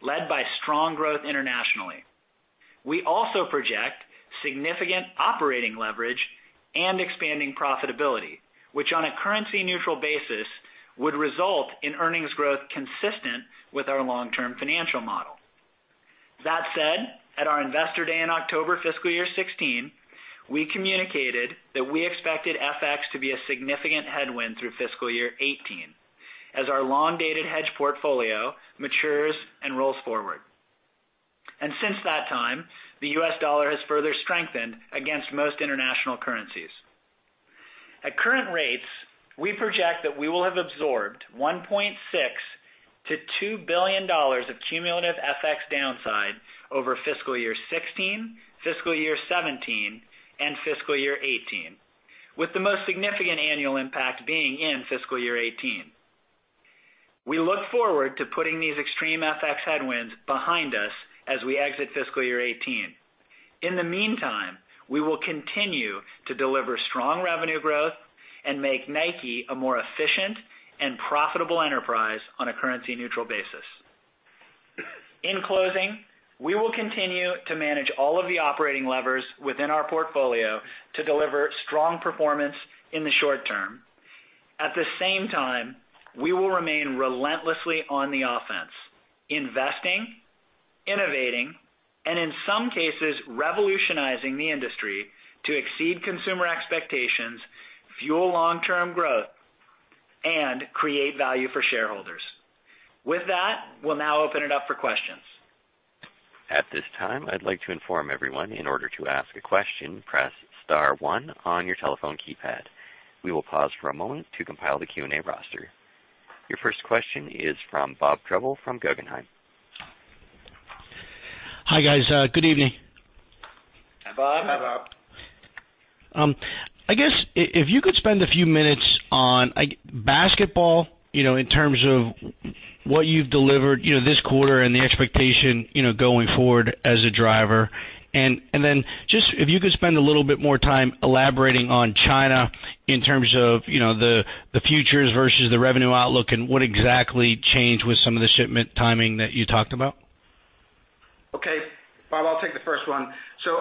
led by strong growth internationally. We also project significant operating leverage and expanding profitability, which on a currency-neutral basis, would result in earnings growth consistent with our long-term financial model. That said, at our Investor Day in October fiscal year 2016, we communicated that we expected FX to be a significant headwind through fiscal year 2018 as our long-dated hedge portfolio matures and rolls forward. Since that time, the U.S. dollar has further strengthened against most international currencies. At current rates, we project that we will have absorbed $1.6 billion-$2 billion of cumulative FX downside over fiscal year 2016, fiscal year 2017, and fiscal year 2018, with the most significant annual impact being in fiscal year 2018. We look forward to putting these extreme FX headwinds behind us as we exit fiscal year 2018. In the meantime, we will continue to deliver strong revenue growth and make NIKE a more efficient and profitable enterprise on a currency-neutral basis. In closing, we will continue to manage all of the operating levers within our portfolio to deliver strong performance in the short term. At the same time, we will remain relentlessly on the offense, investing, innovating, and in some cases, revolutionizing the industry to exceed consumer expectations, fuel long-term growth, and create value for shareholders. With that, we'll now open it up for questions. At this time, I'd like to inform everyone in order to ask a question, press *1 on your telephone keypad. We will pause for a moment to compile the Q&A roster. Your first question is from Bob Drbul from Guggenheim. Hi, guys. Good evening. Hi, Bob. Hi, Bob. I guess if you could spend a few minutes on basketball, in terms of what you've delivered this quarter and the expectation going forward as a driver. Then just if you could spend a little more time elaborating on China in terms of the futures versus the revenue outlook and what exactly changed with some of the shipment timing that you talked about. Okay. Bob, I'll take the first one.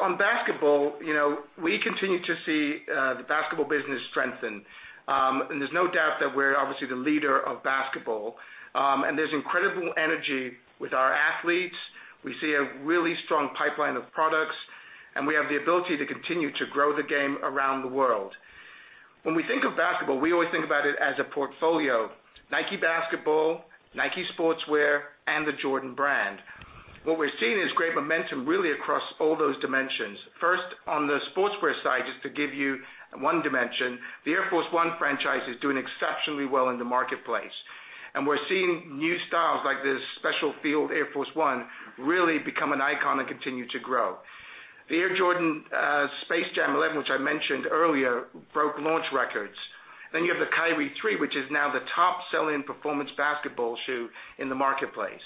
On basketball, we continue to see the basketball business strengthen. There's no doubt that we're obviously the leader of basketball. There's incredible energy with our athletes. We see a really strong pipeline of products, and we have the ability to continue to grow the game around the world. When we think of basketball, we always think about it as a portfolio. Nike Basketball, Nike Sportswear, and the Jordan Brand. What we're seeing is great momentum really across all those dimensions. First, on the Sportswear side, just to give you one dimension, the Air Force 1 franchise is doing exceptionally well in the marketplace. We're seeing new styles like this Special Field Air Force 1 really become an icon and continue to grow. The Air Jordan 11 Space Jam, which I mentioned earlier, broke launch records. You have the Kyrie 3, which is now the top-selling performance basketball shoe in the marketplace.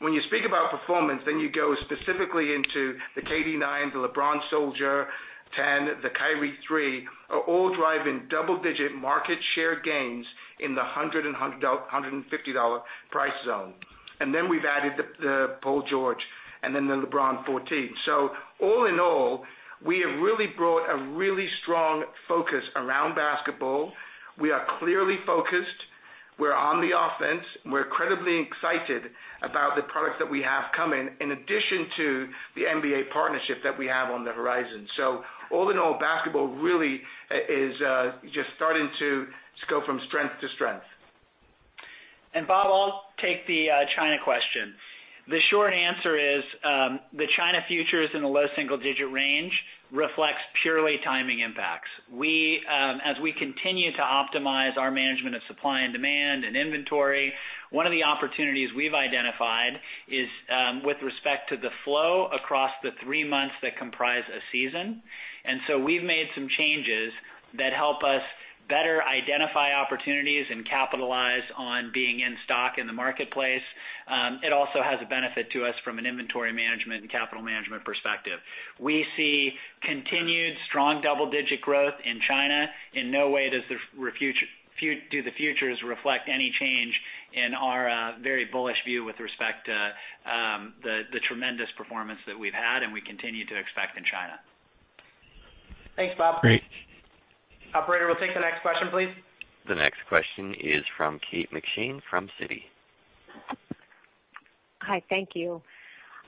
When you speak about performance, you go specifically into the KD 9, the LeBron Soldier 10, the Kyrie 3, are all driving double-digit market share gains in the $100 and $150 price zone. We've added the Paul George 1 and the LeBron 14. All in all, we have really brought a really strong focus around basketball. We are clearly focused. We're on the offense. We're incredibly excited about the products that we have coming, in addition to the NBA partnership that we have on the horizon. All in all, basketball really is just starting to go from strength to strength. Bob, I'll take the China question. The short answer is, the China future is in the low single-digit range, reflects purely timing impacts. As we continue to optimize our management of supply and demand and inventory, one of the opportunities we've identified is with respect to the flow across the three months that comprise a season. We've made some changes that help us better identify opportunities and capitalize on being in stock in the marketplace. It also has a benefit to us from an inventory management and capital management perspective. We see continued strong double-digit growth in China. In no way do the futures reflect any change in our very bullish view with respect to the tremendous performance that we've had and we continue to expect in China. Thanks, Bob. Great. Operator, we'll take the next question, please. The next question is from Kate McShane from Citi. Hi, thank you.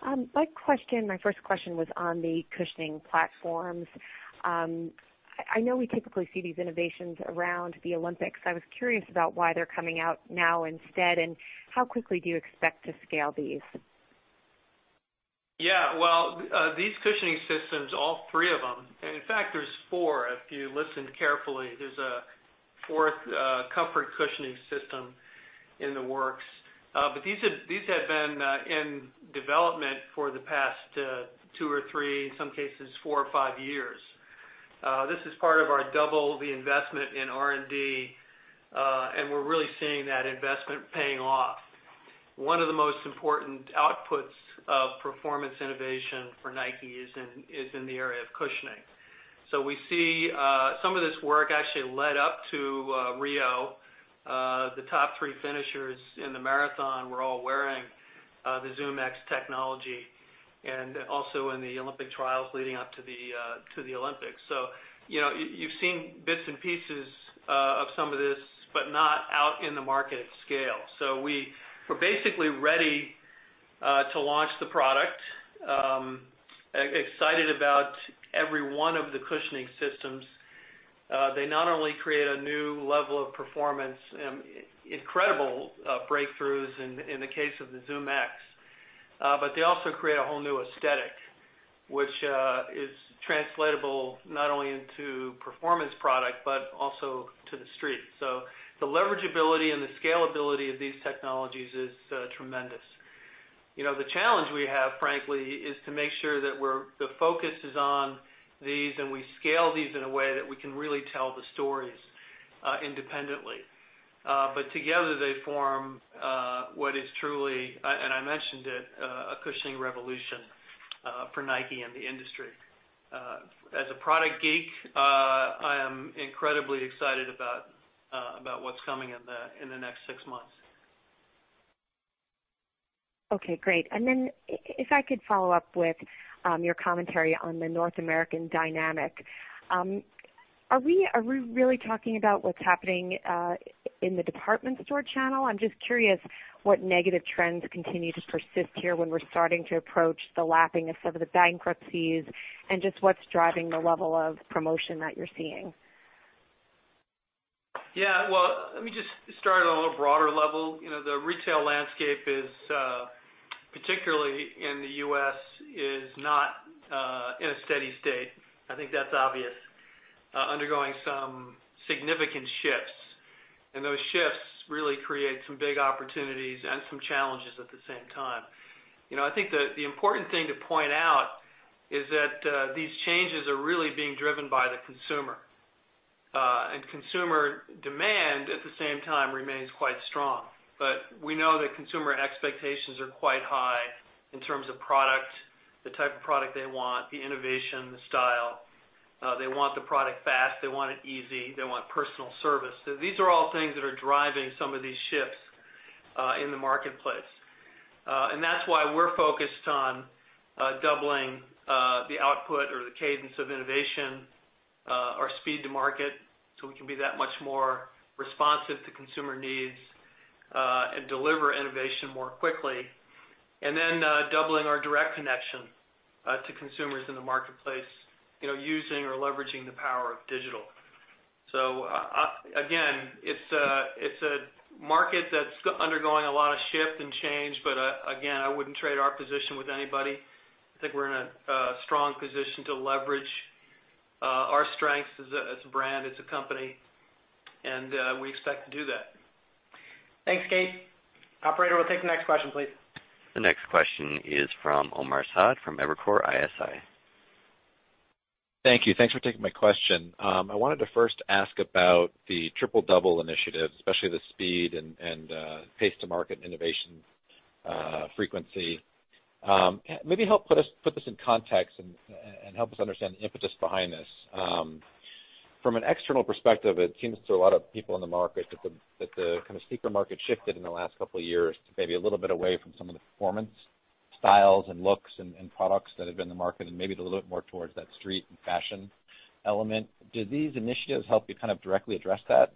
My first question was on the cushioning platforms. I know we typically see these innovations around the Olympics. I was curious about why they're coming out now instead, and how quickly do you expect to scale these? Yeah. Well, these cushioning systems, all three of them, and in fact, there's four. If you listen carefully, there's a fourth comfort cushioning system in the works. These have been in development for the past two or three, in some cases, four or five years. This is part of our double the investment in R&D. We're really seeing that investment paying off. One of the most important outputs of performance innovation for Nike is in the area of cushioning. We see some of this work actually led up to Rio. The top three finishers in the marathon were all wearing the ZoomX technology, and also in the Olympic trials leading up to the Olympics. You've seen bits and pieces of some of this, but not out in the market at scale. We're basically ready to launch the product. Excited about every one of the cushioning systems. They not only create a new level of performance, incredible breakthroughs in the case of the ZoomX, they also create a whole new aesthetic, which is translatable not only into performance product, but also to the street. The leverageability and the scalability of these technologies is tremendous. The challenge we have, frankly, is to make sure that the focus is on these, and we scale these in a way that we can really tell the stories independently. Together, they form what is truly, and I mentioned it, a cushioning revolution for Nike and the industry. As a product geek, I am incredibly excited about what's coming in the next six months. Okay, great. If I could follow up with your commentary on the North American dynamic. Are we really talking about what's happening in the department store channel? I'm just curious what negative trends continue to persist here when we're starting to approach the lapping of some of the bankruptcies, and just what's driving the level of promotion that you're seeing. Well, let me just start on a little broader level. The retail landscape, particularly in the U.S., is not in a steady state. I think that's obvious. Undergoing some significant shifts. Those shifts really create some big opportunities and some challenges at the same time. I think the important thing to point out is that these changes are really being driven by the consumer. Consumer demand, at the same time, remains quite strong. We know that consumer expectations are quite high in terms of product, the type of product they want, the innovation, the style. They want the product fast, they want it easy, they want personal service. These are all things that are driving some of these shifts in the marketplace. That's why we're focused on doubling the output or the cadence of innovation, our speed to market, so we can be that much more responsive to consumer needs, and deliver innovation more quickly. Doubling our direct connection to consumers in the marketplace, using or leveraging the power of digital. Again, it's a market that's undergoing a lot of shift and change, again, I wouldn't trade our position with anybody. I think we're in a strong position to leverage our strengths as a brand, as a company. We expect to do that. Thanks, Kate. Operator, we'll take the next question, please. The next question is from Omar Saad from Evercore ISI. Thank you. Thanks for taking my question. I wanted to first ask about the Triple Double initiative, especially the speed and pace to market innovation frequency. Maybe help put this in context and help us understand the impetus behind this. From an external perspective, it seems to a lot of people in the market that the sneaker market shifted in the last couple of years to maybe a little bit away from some of the performance styles and looks and products that have been in the market and maybe a little bit more towards that street and fashion element. Do these initiatives help you directly address that?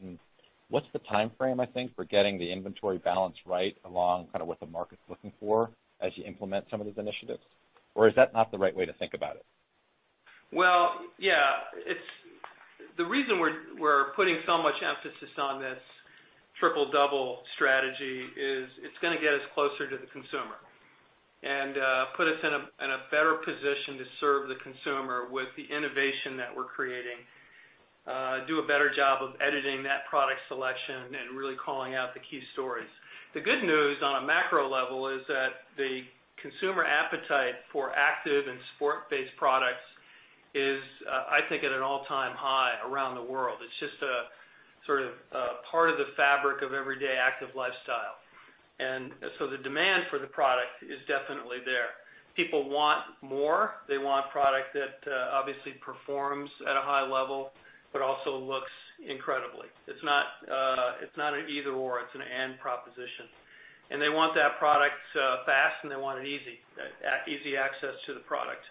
What's the timeframe, I think, for getting the inventory balance right along what the market's looking for as you implement some of these initiatives? Or is that not the right way to think about it? Well, yeah. The reason we're putting so much emphasis on this Triple Double strategy is it's going to get us closer to the consumer and put us in a better position to serve the consumer with the innovation that we're creating. Do a better job of editing that product selection and really calling out the key stories. The good news on a macro level is that the consumer appetite for active and sport-based products is, I think, at an all-time high around the world. It's just part of the fabric of everyday active lifestyle. The demand for the product is definitely there. People want more. They want product that obviously performs at a high level, but also looks incredibly. It's not an either/or. It's an and proposition. They want that product fast, and they want it easy. Easy access to the product.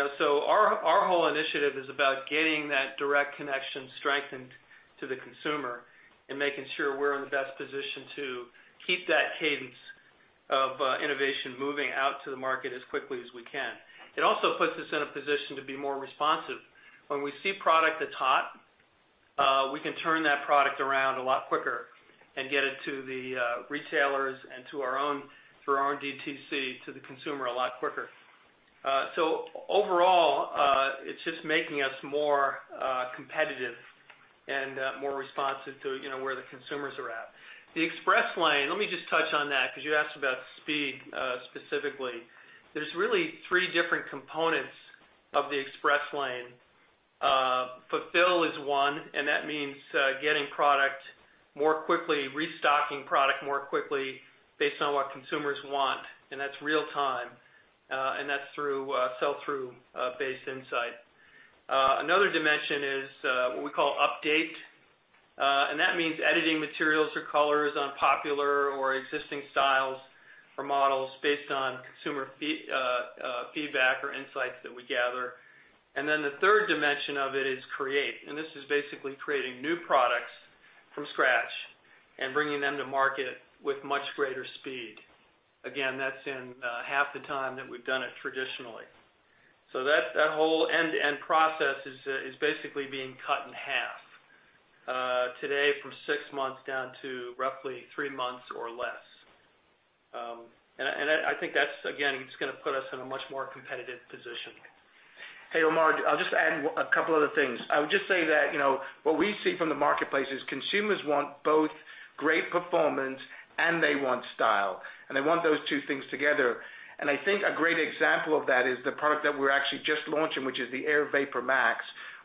Our whole initiative is about getting that direct connection strengthened to the consumer and making sure we're in the best position to keep that cadence of innovation moving out to the market as quickly as we can. It also puts us in a position to be more responsive. When we see product that's hot, we can turn that product around a lot quicker and get it to the retailers and through our own D2C to the consumer a lot quicker. Overall, it's just making us more competitive and more responsive to where the consumers are at. The Express Lane, let me just touch on that because you asked about speed specifically. There's really three different components of the Express Lane. Fulfill is one, and that means getting product more quickly, restocking product more quickly based on what consumers want, and that's real time. That's sell-through based insight. Another dimension is what we call Update. That means editing materials or colors on popular or existing styles or models based on consumer feedback or insights that we gather. The third dimension of it is Create. This is basically creating new products from scratch and bringing them to market with much greater speed. Again, that's in half the time that we've done it traditionally. That whole end-to-end process is basically being cut in half today from six months down to roughly three months or less. I think that's, again, it's going to put us in a much more competitive position. Hey, Omar, I'll just add a couple other things. I would just say that what we see from the marketplace is consumers want both great performance and they want style, and they want those two things together. I think a great example of that is the product that we're actually just launching, which is the Air VaporMax,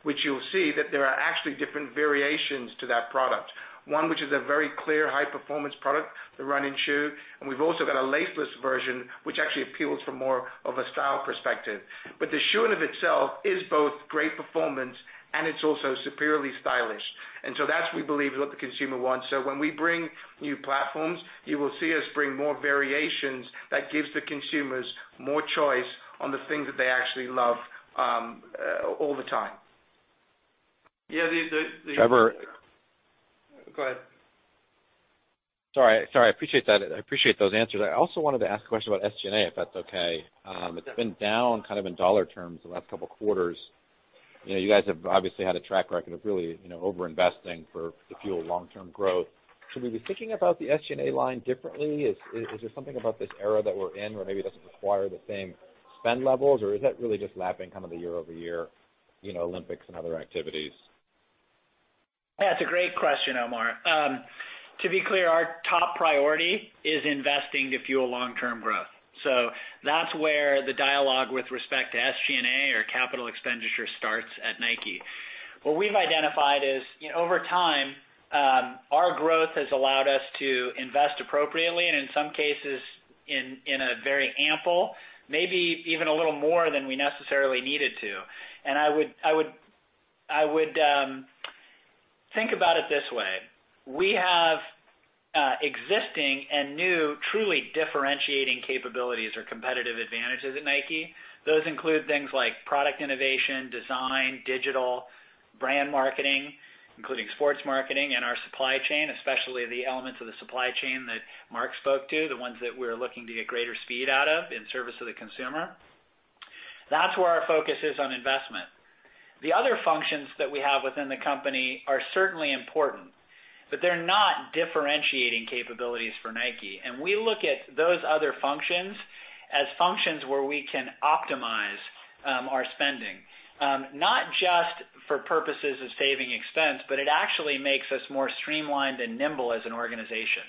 which you'll see that there are actually different variations to that product. One, which is a very clear high-performance product, the running shoe. We've also got a laceless version, which actually appeals from more of a style perspective. The shoe in of itself is both great performance and it's also superiorly stylish. That's, we believe, what the consumer wants. When we bring new platforms, you will see us bring more variations that gives the consumers more choice on the things that they actually love all the time. Yeah, the- Trevor. Go ahead. Sorry. I appreciate those answers. I also wanted to ask a question about SG&A, if that's okay. Yeah. It's been down in dollar terms the last couple of quarters. You guys have obviously had a track record of really over-investing to fuel long-term growth. Should we be thinking about the SG&A line differently? Is there something about this era that we're in where maybe it doesn't require the same spend levels, or is that really just lapping the year-over-year, Olympics and other activities? That's a great question, Omar. To be clear, our top priority is investing to fuel long-term growth. That's where the dialogue with respect to SG&A or capital expenditure starts at Nike. What we've identified is over time, our growth has allowed us to invest appropriately, and in some cases, in a very ample, maybe even a little more than we necessarily needed to. I would think about it this way. We have existing and new truly differentiating capabilities or competitive advantages at Nike. Those include things like product innovation, design, digital, brand marketing. Including sports marketing and our supply chain, especially the elements of the supply chain that Mark spoke to, the ones that we're looking to get greater speed out of in service of the consumer. That's where our focus is on investment. The other functions that we have within the company are certainly important, but they're not differentiating capabilities for Nike. We look at those other functions as functions where we can optimize our spending, not just for purposes of saving expense, but it actually makes us more streamlined and nimble as an organization.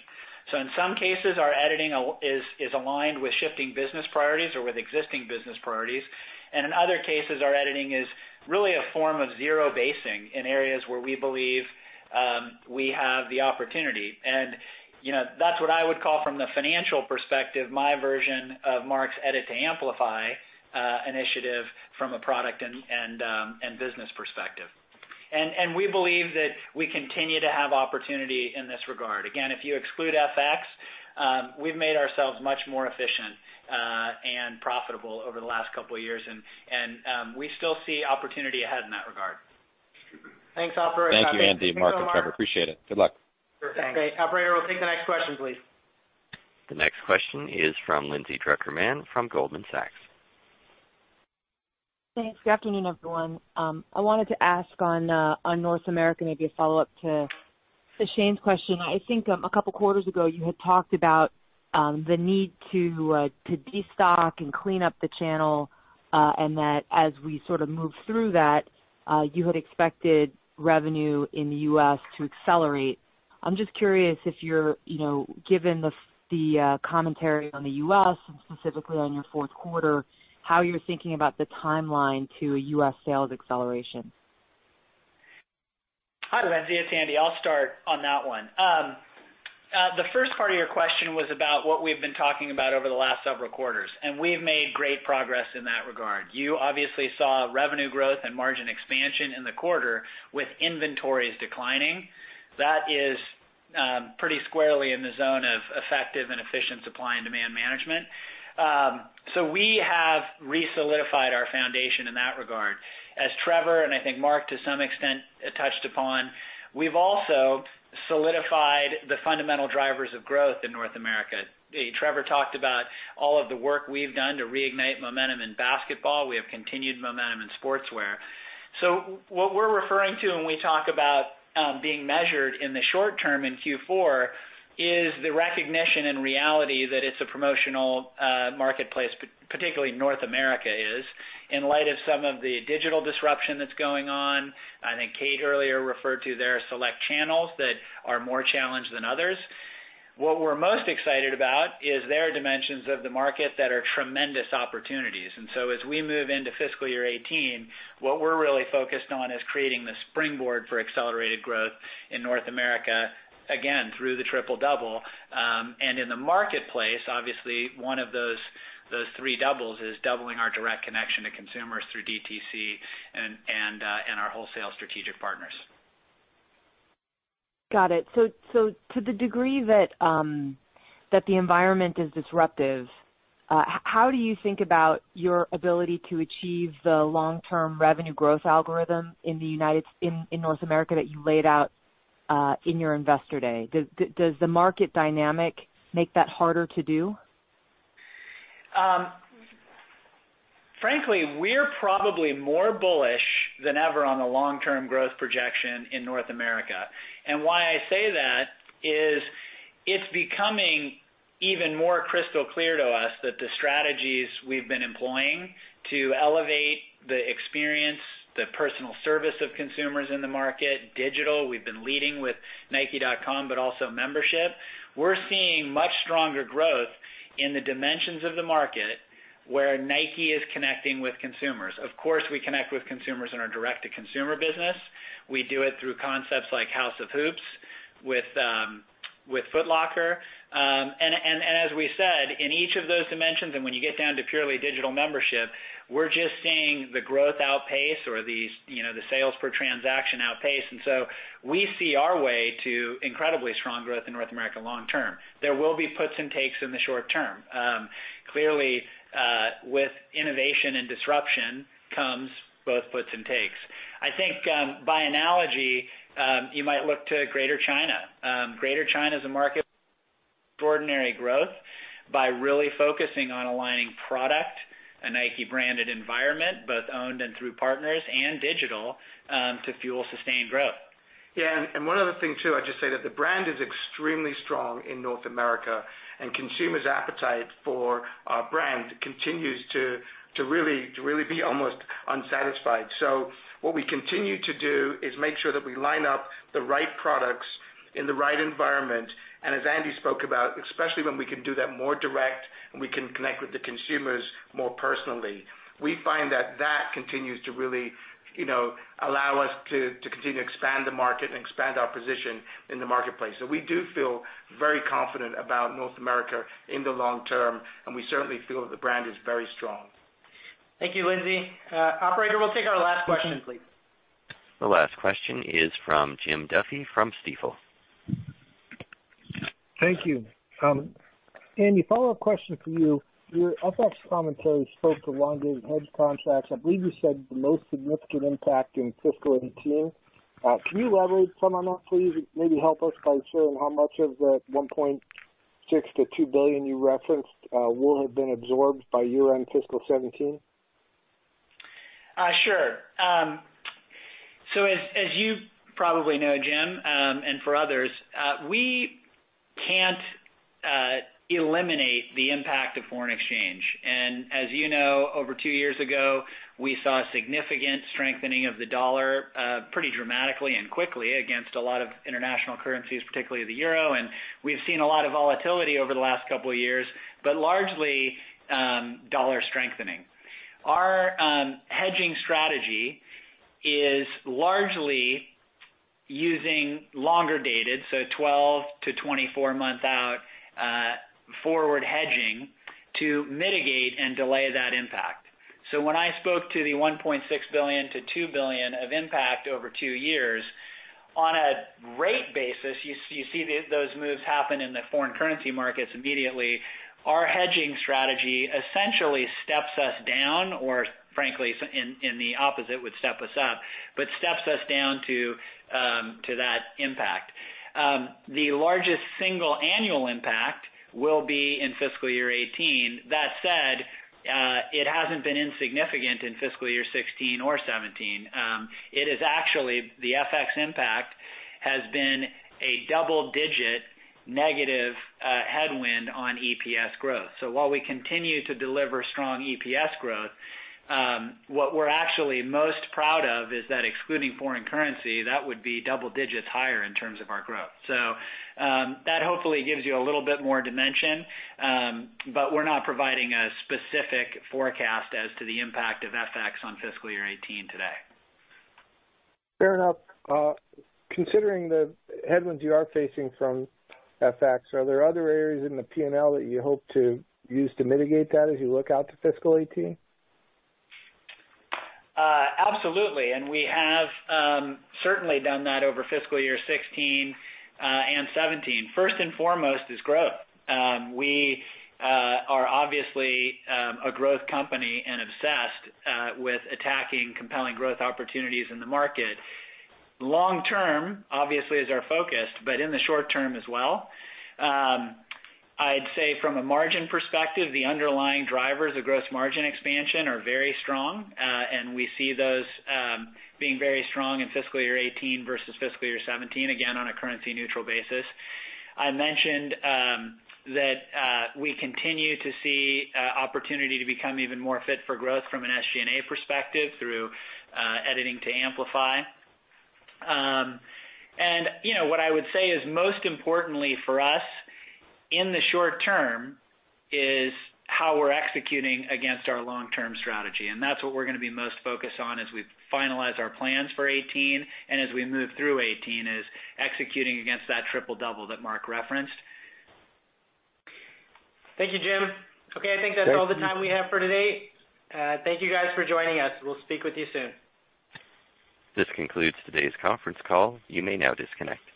In some cases, our editing is aligned with shifting business priorities or with existing business priorities. In other cases, our editing is really a form of zero basing in areas where we believe we have the opportunity. That's what I would call from the financial perspective, my version of Mark's Edit to Amplify initiative from a product and business perspective. We believe that we continue to have opportunity in this regard. Again, if you exclude FX, we've made ourselves much more efficient and profitable over the last couple of years. We still see opportunity ahead in that regard. Thanks, operator. Thank you, Andy, Mark, and Trevor. Appreciate it. Good luck. Great. Operator, we'll take the next question, please. The next question is from Lindsay Drucker Mann from Goldman Sachs. Thanks. Good afternoon, everyone. I wanted to ask on North America, maybe a follow-up to Shane's question. I think a couple quarters ago, you had talked about the need to de-stock and clean up the channel. That as we sort of moved through that, you had expected revenue in the U.S. to accelerate. I'm just curious given the commentary on the U.S. and specifically on your fourth quarter, how you're thinking about the timeline to a U.S. sales acceleration. Hi, Lindsay. It's Andy. I'll start on that one. The first part of your question was about what we've been talking about over the last several quarters. We've made great progress in that regard. You obviously saw revenue growth and margin expansion in the quarter with inventories declining. That is pretty squarely in the zone of effective and efficient supply and demand management. We have re-solidified our foundation in that regard. As Trevor, and I think Mark, to some extent, touched upon, we've also solidified the fundamental drivers of growth in North America. Trevor talked about all of the work we've done to reignite momentum in basketball. We have continued momentum in sportswear. What we're referring to when we talk about being measured in the short term in Q4 is the recognition and reality that it's a promotional marketplace, particularly North America is, in light of some of the digital disruption that's going on. I think Kate earlier referred to their select channels that are more challenged than others. What we're most excited about is there are dimensions of the market that are tremendous opportunities. As we move into fiscal year 2018, what we're really focused on is creating the springboard for accelerated growth in North America, again, through the Triple Double. In the marketplace, obviously, one of those three doubles is doubling our direct connection to consumers through DTC and our wholesale strategic partners. Got it. To the degree that the environment is disruptive, how do you think about your ability to achieve the long-term revenue growth algorithm in North America that you laid out in your Investor Day? Does the market dynamic make that harder to do? Frankly, we're probably more bullish than ever on the long-term growth projection in North America. Why I say that is it's becoming even more crystal clear to us that the strategies we've been employing to elevate the experience, the personal service of consumers in the market, digital, we've been leading with nike.com, but also membership. We're seeing much stronger growth in the dimensions of the market where Nike is connecting with consumers. Of course, we connect with consumers in our direct-to-consumer business. We do it through concepts like House of Hoops with Foot Locker. As we said, in each of those dimensions, and when you get down to purely digital membership, we're just seeing the growth outpace or the sales per transaction outpace. We see our way to incredibly strong growth in North America long-term. There will be puts and takes in the short term. Clearly, with innovation and disruption comes both puts and takes. I think, by analogy, you might look to Greater China. Greater China is a market with extraordinary growth by really focusing on aligning product, a Nike-branded environment, both owned and through partners, and digital to fuel sustained growth. One other thing, too, I'd just say that the brand is extremely strong in North America, and consumers' appetite for our brand continues to really be almost unsatisfied. What we continue to do is make sure that we line up the right products in the right environment, and as Andy spoke about, especially when we can do that more direct and we can connect with the consumers more personally. We find that that continues to really allow us to continue to expand the market and expand our position in the marketplace. We do feel very confident about North America in the long term, and we certainly feel that the brand is very strong. Thank you, Lindsay. Operator, we'll take our last question, please. The last question is from Jim Duffy from Stifel. Thank you. Andy, follow-up question for you. Your FX commentary spoke to long-dated hedge contracts. I believe you said the most significant impact in fiscal 2018. Can you elaborate some on that, please? Maybe help us by sharing how much of that $1.6 billion-$2 billion you referenced will have been absorbed by year-end fiscal 2017? Sure. As you probably know, Jim, and for others, we can't eliminate the impact of foreign exchange. As you know, over two years ago, we saw a significant strengthening of the dollar, pretty dramatically and quickly against a lot of international currencies, particularly the EUR. We've seen a lot of volatility over the last couple of years, but largely, dollar strengthening. Our hedging strategy is largely using longer dated, so 12-24 months out, forward hedging to mitigate and delay that impact. When I spoke to the $1.6 billion-$2 billion of impact over two years, on a rate basis, you see those moves happen in the foreign currency markets immediately. Our hedging strategy essentially steps us down, or frankly, in the opposite, would step us up, but steps us down to that impact. The largest single annual impact will be in fiscal year 2018. That said, it hasn't been insignificant in fiscal year 2016 or 2017. It is actually the FX impact has been a double-digit negative headwind on EPS growth. While we continue to deliver strong EPS growth, what we're actually most proud of is that excluding foreign currency, that would be double digits higher in terms of our growth. That hopefully gives you a little bit more dimension, but we're not providing a specific forecast as to the impact of FX on fiscal year 2018 today. Fair enough. Considering the headwinds you are facing from FX, are there other areas in the P&L that you hope to use to mitigate that as you look out to fiscal 2018? Absolutely. We have certainly done that over fiscal year 2016 and 2017. First and foremost is growth. We are obviously a growth company and obsessed with attacking compelling growth opportunities in the market. Long term, obviously, is our focus, but in the short term as well. I'd say from a margin perspective, the underlying drivers of gross margin expansion are very strong, and we see those being very strong in fiscal year 2018 versus fiscal year 2017, again, on a currency-neutral basis. I mentioned that we continue to see opportunity to become even more fit for growth from an SG&A perspective through Edit to Amplify. What I would say is most importantly for us in the short term is how we're executing against our long-term strategy. That's what we're going to be most focused on as we finalize our plans for 2018 and as we move through 2018, is executing against that Triple Double that Mark referenced. Thank you, Jim. Okay, I think that's all the time we have for today. Thank you guys for joining us. We'll speak with you soon. This concludes today's conference call. You may now disconnect.